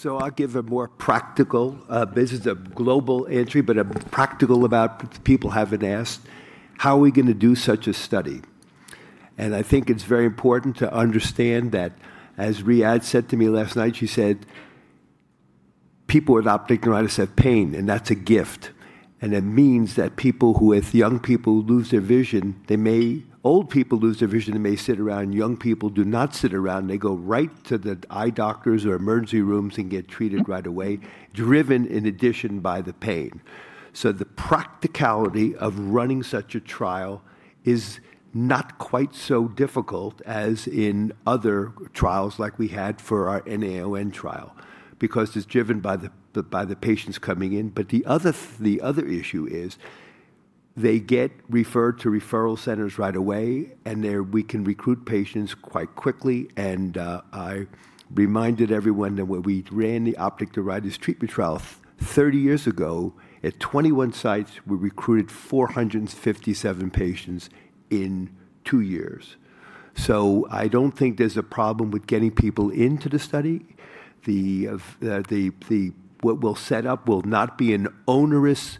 I'll give a more practical—this is a global entry, but a practical about people haven't asked—how are we going to do such a study? I think it's very important to understand that, as Riad said to me last night, she said, "People with optic neuritis have pain, and that's a gift." It means that people with young people lose their vision, they may—old people lose their vision, they may sit around. Young people do not sit around. They go right to the eye doctors or emergency rooms and get treated right away, driven in addition by the pain. The practicality of running such a trial is not quite so difficult as in other trials like we had for our NAION trial because it's driven by the patients coming in. The other issue is they get referred to referral centers right away, and we can recruit patients quite quickly. I reminded everyone that when we ran the optic neuritis treatment trial 30 years ago at 21 sites, we recruited 457 patients in two years. I do not think there is a problem with getting people into the study. What we will set up will not be an onerous,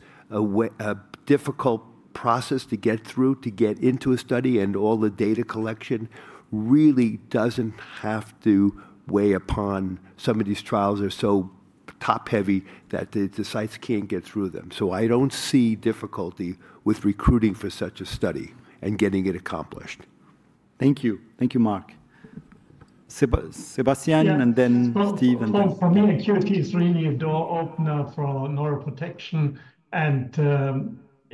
difficult process to get through, to get into a study, and all the data collection really does not have to weigh upon some of these trials that are so top-heavy that the sites cannot get through them. I do not see difficulty with recruiting for such a study and getting it accomplished. Thank you. Thank you, Mark. Sebastian, and then Stephen. And then—for me, ACUITY is really a door opener for neuroprotection.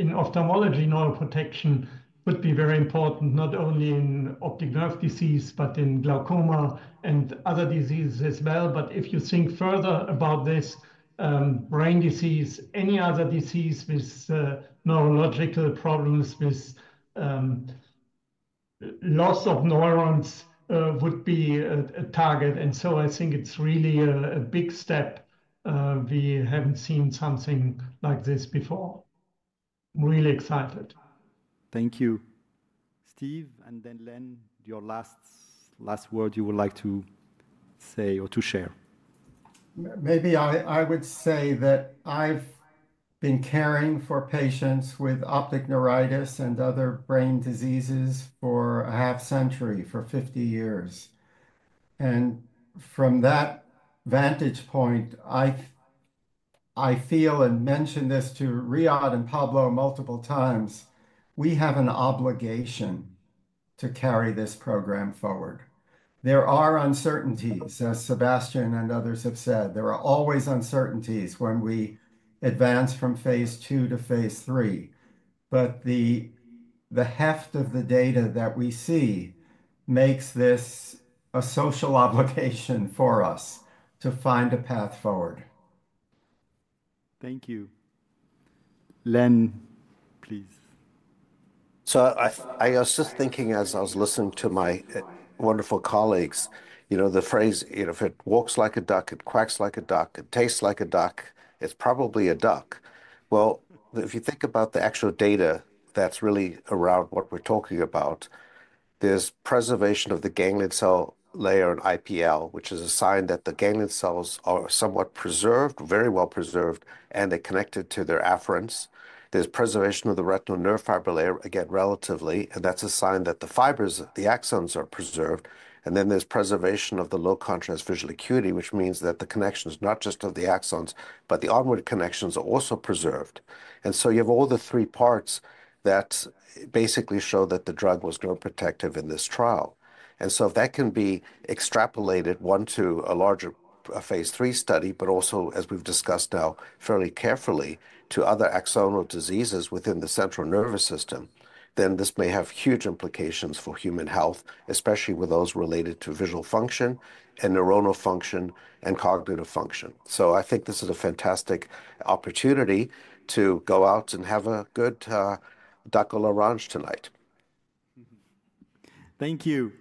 In ophthalmology, neuroprotection would be very important not only in optic nerve disease, but in glaucoma and other diseases as well. If you think further about this, brain disease, any other disease with neurological problems with loss of neurons would be a target. I think it's really a big step. We haven't seen something like this before. I'm really excited. Thank you. Stephen, and then Len, your last word you would like to say or to share? Maybe I would say that I've been caring for patients with optic neuritis and other brain diseases for a half century, for 50 years. From that vantage point, I feel and mentioned this to Riad and Pablo multiple times, we have an obligation to carry this program forward. There are uncertainties, as Sebastian and others have said. There are always uncertainties when we advance from phase II to phase III. The heft of the data that we see makes this a social obligation for us to find a path forward. Thank you. Len, please. I was just thinking as I was listening to my wonderful colleagues, you know, the phrase, you know, if it walks like a duck, it quacks like a duck, it tastes like a duck, it's probably a duck. You know, if you think about the actual data that's really around what we're talking about, there's preservation of the ganglion cell layer and IPL, which is a sign that the ganglion cells are somewhat preserved, very well preserved, and they're connected to their afferents. There's preservation of the retinal nerve fiber layer, again, relatively, and that's a sign that the fibers, the axons are preserved. There is preservation of the low contrast visual acuity, which means that the connection is not just of the axons, but the onward connections are also preserved. You have all the three parts that basically show that the drug was neuroprotective in this trial. If that can be extrapolated onto a larger phase III study, but also, as we've discussed now, fairly carefully to other axonal diseases within the central nervous system, then this may have huge implications for human health, especially with those related to visual function and neuronal function and cognitive function. I think this is a fantastic opportunity to go out and have a good duck-a-larange tonight. Thank you.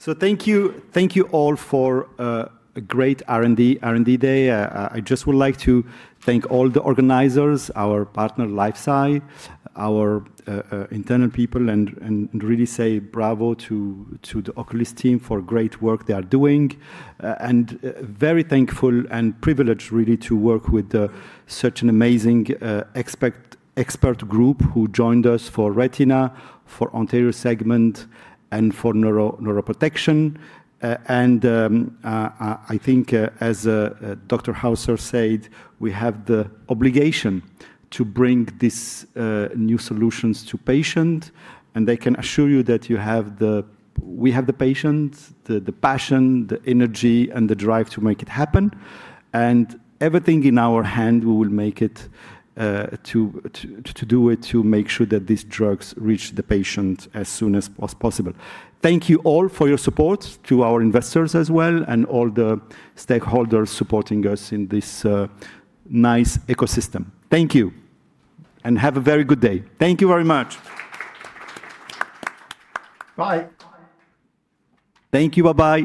Thank you all for a great R&D Day. I just would like to thank all the organizers, our partner LifeSci, our internal people, and really say bravo to the Oculis team for great work they are doing. I am very thankful and privileged really to work with such an amazing expert group who joined us for retina, for anterior segment, and for neuroprotection. I think, as Dr. Hauser said, we have the obligation to bring these new solutions to patients, and I can assure you that we have the patients, the passion, the energy, and the drive to make it happen. Everything in our hand, we will make it to do it to make sure that these drugs reach the patient as soon as possible. Thank you all for your support to our investors as well and all the stakeholders supporting us in this nice ecosystem. Thank you. Have a very good day. Thank you very much. Bye. Thank you. Bye-bye.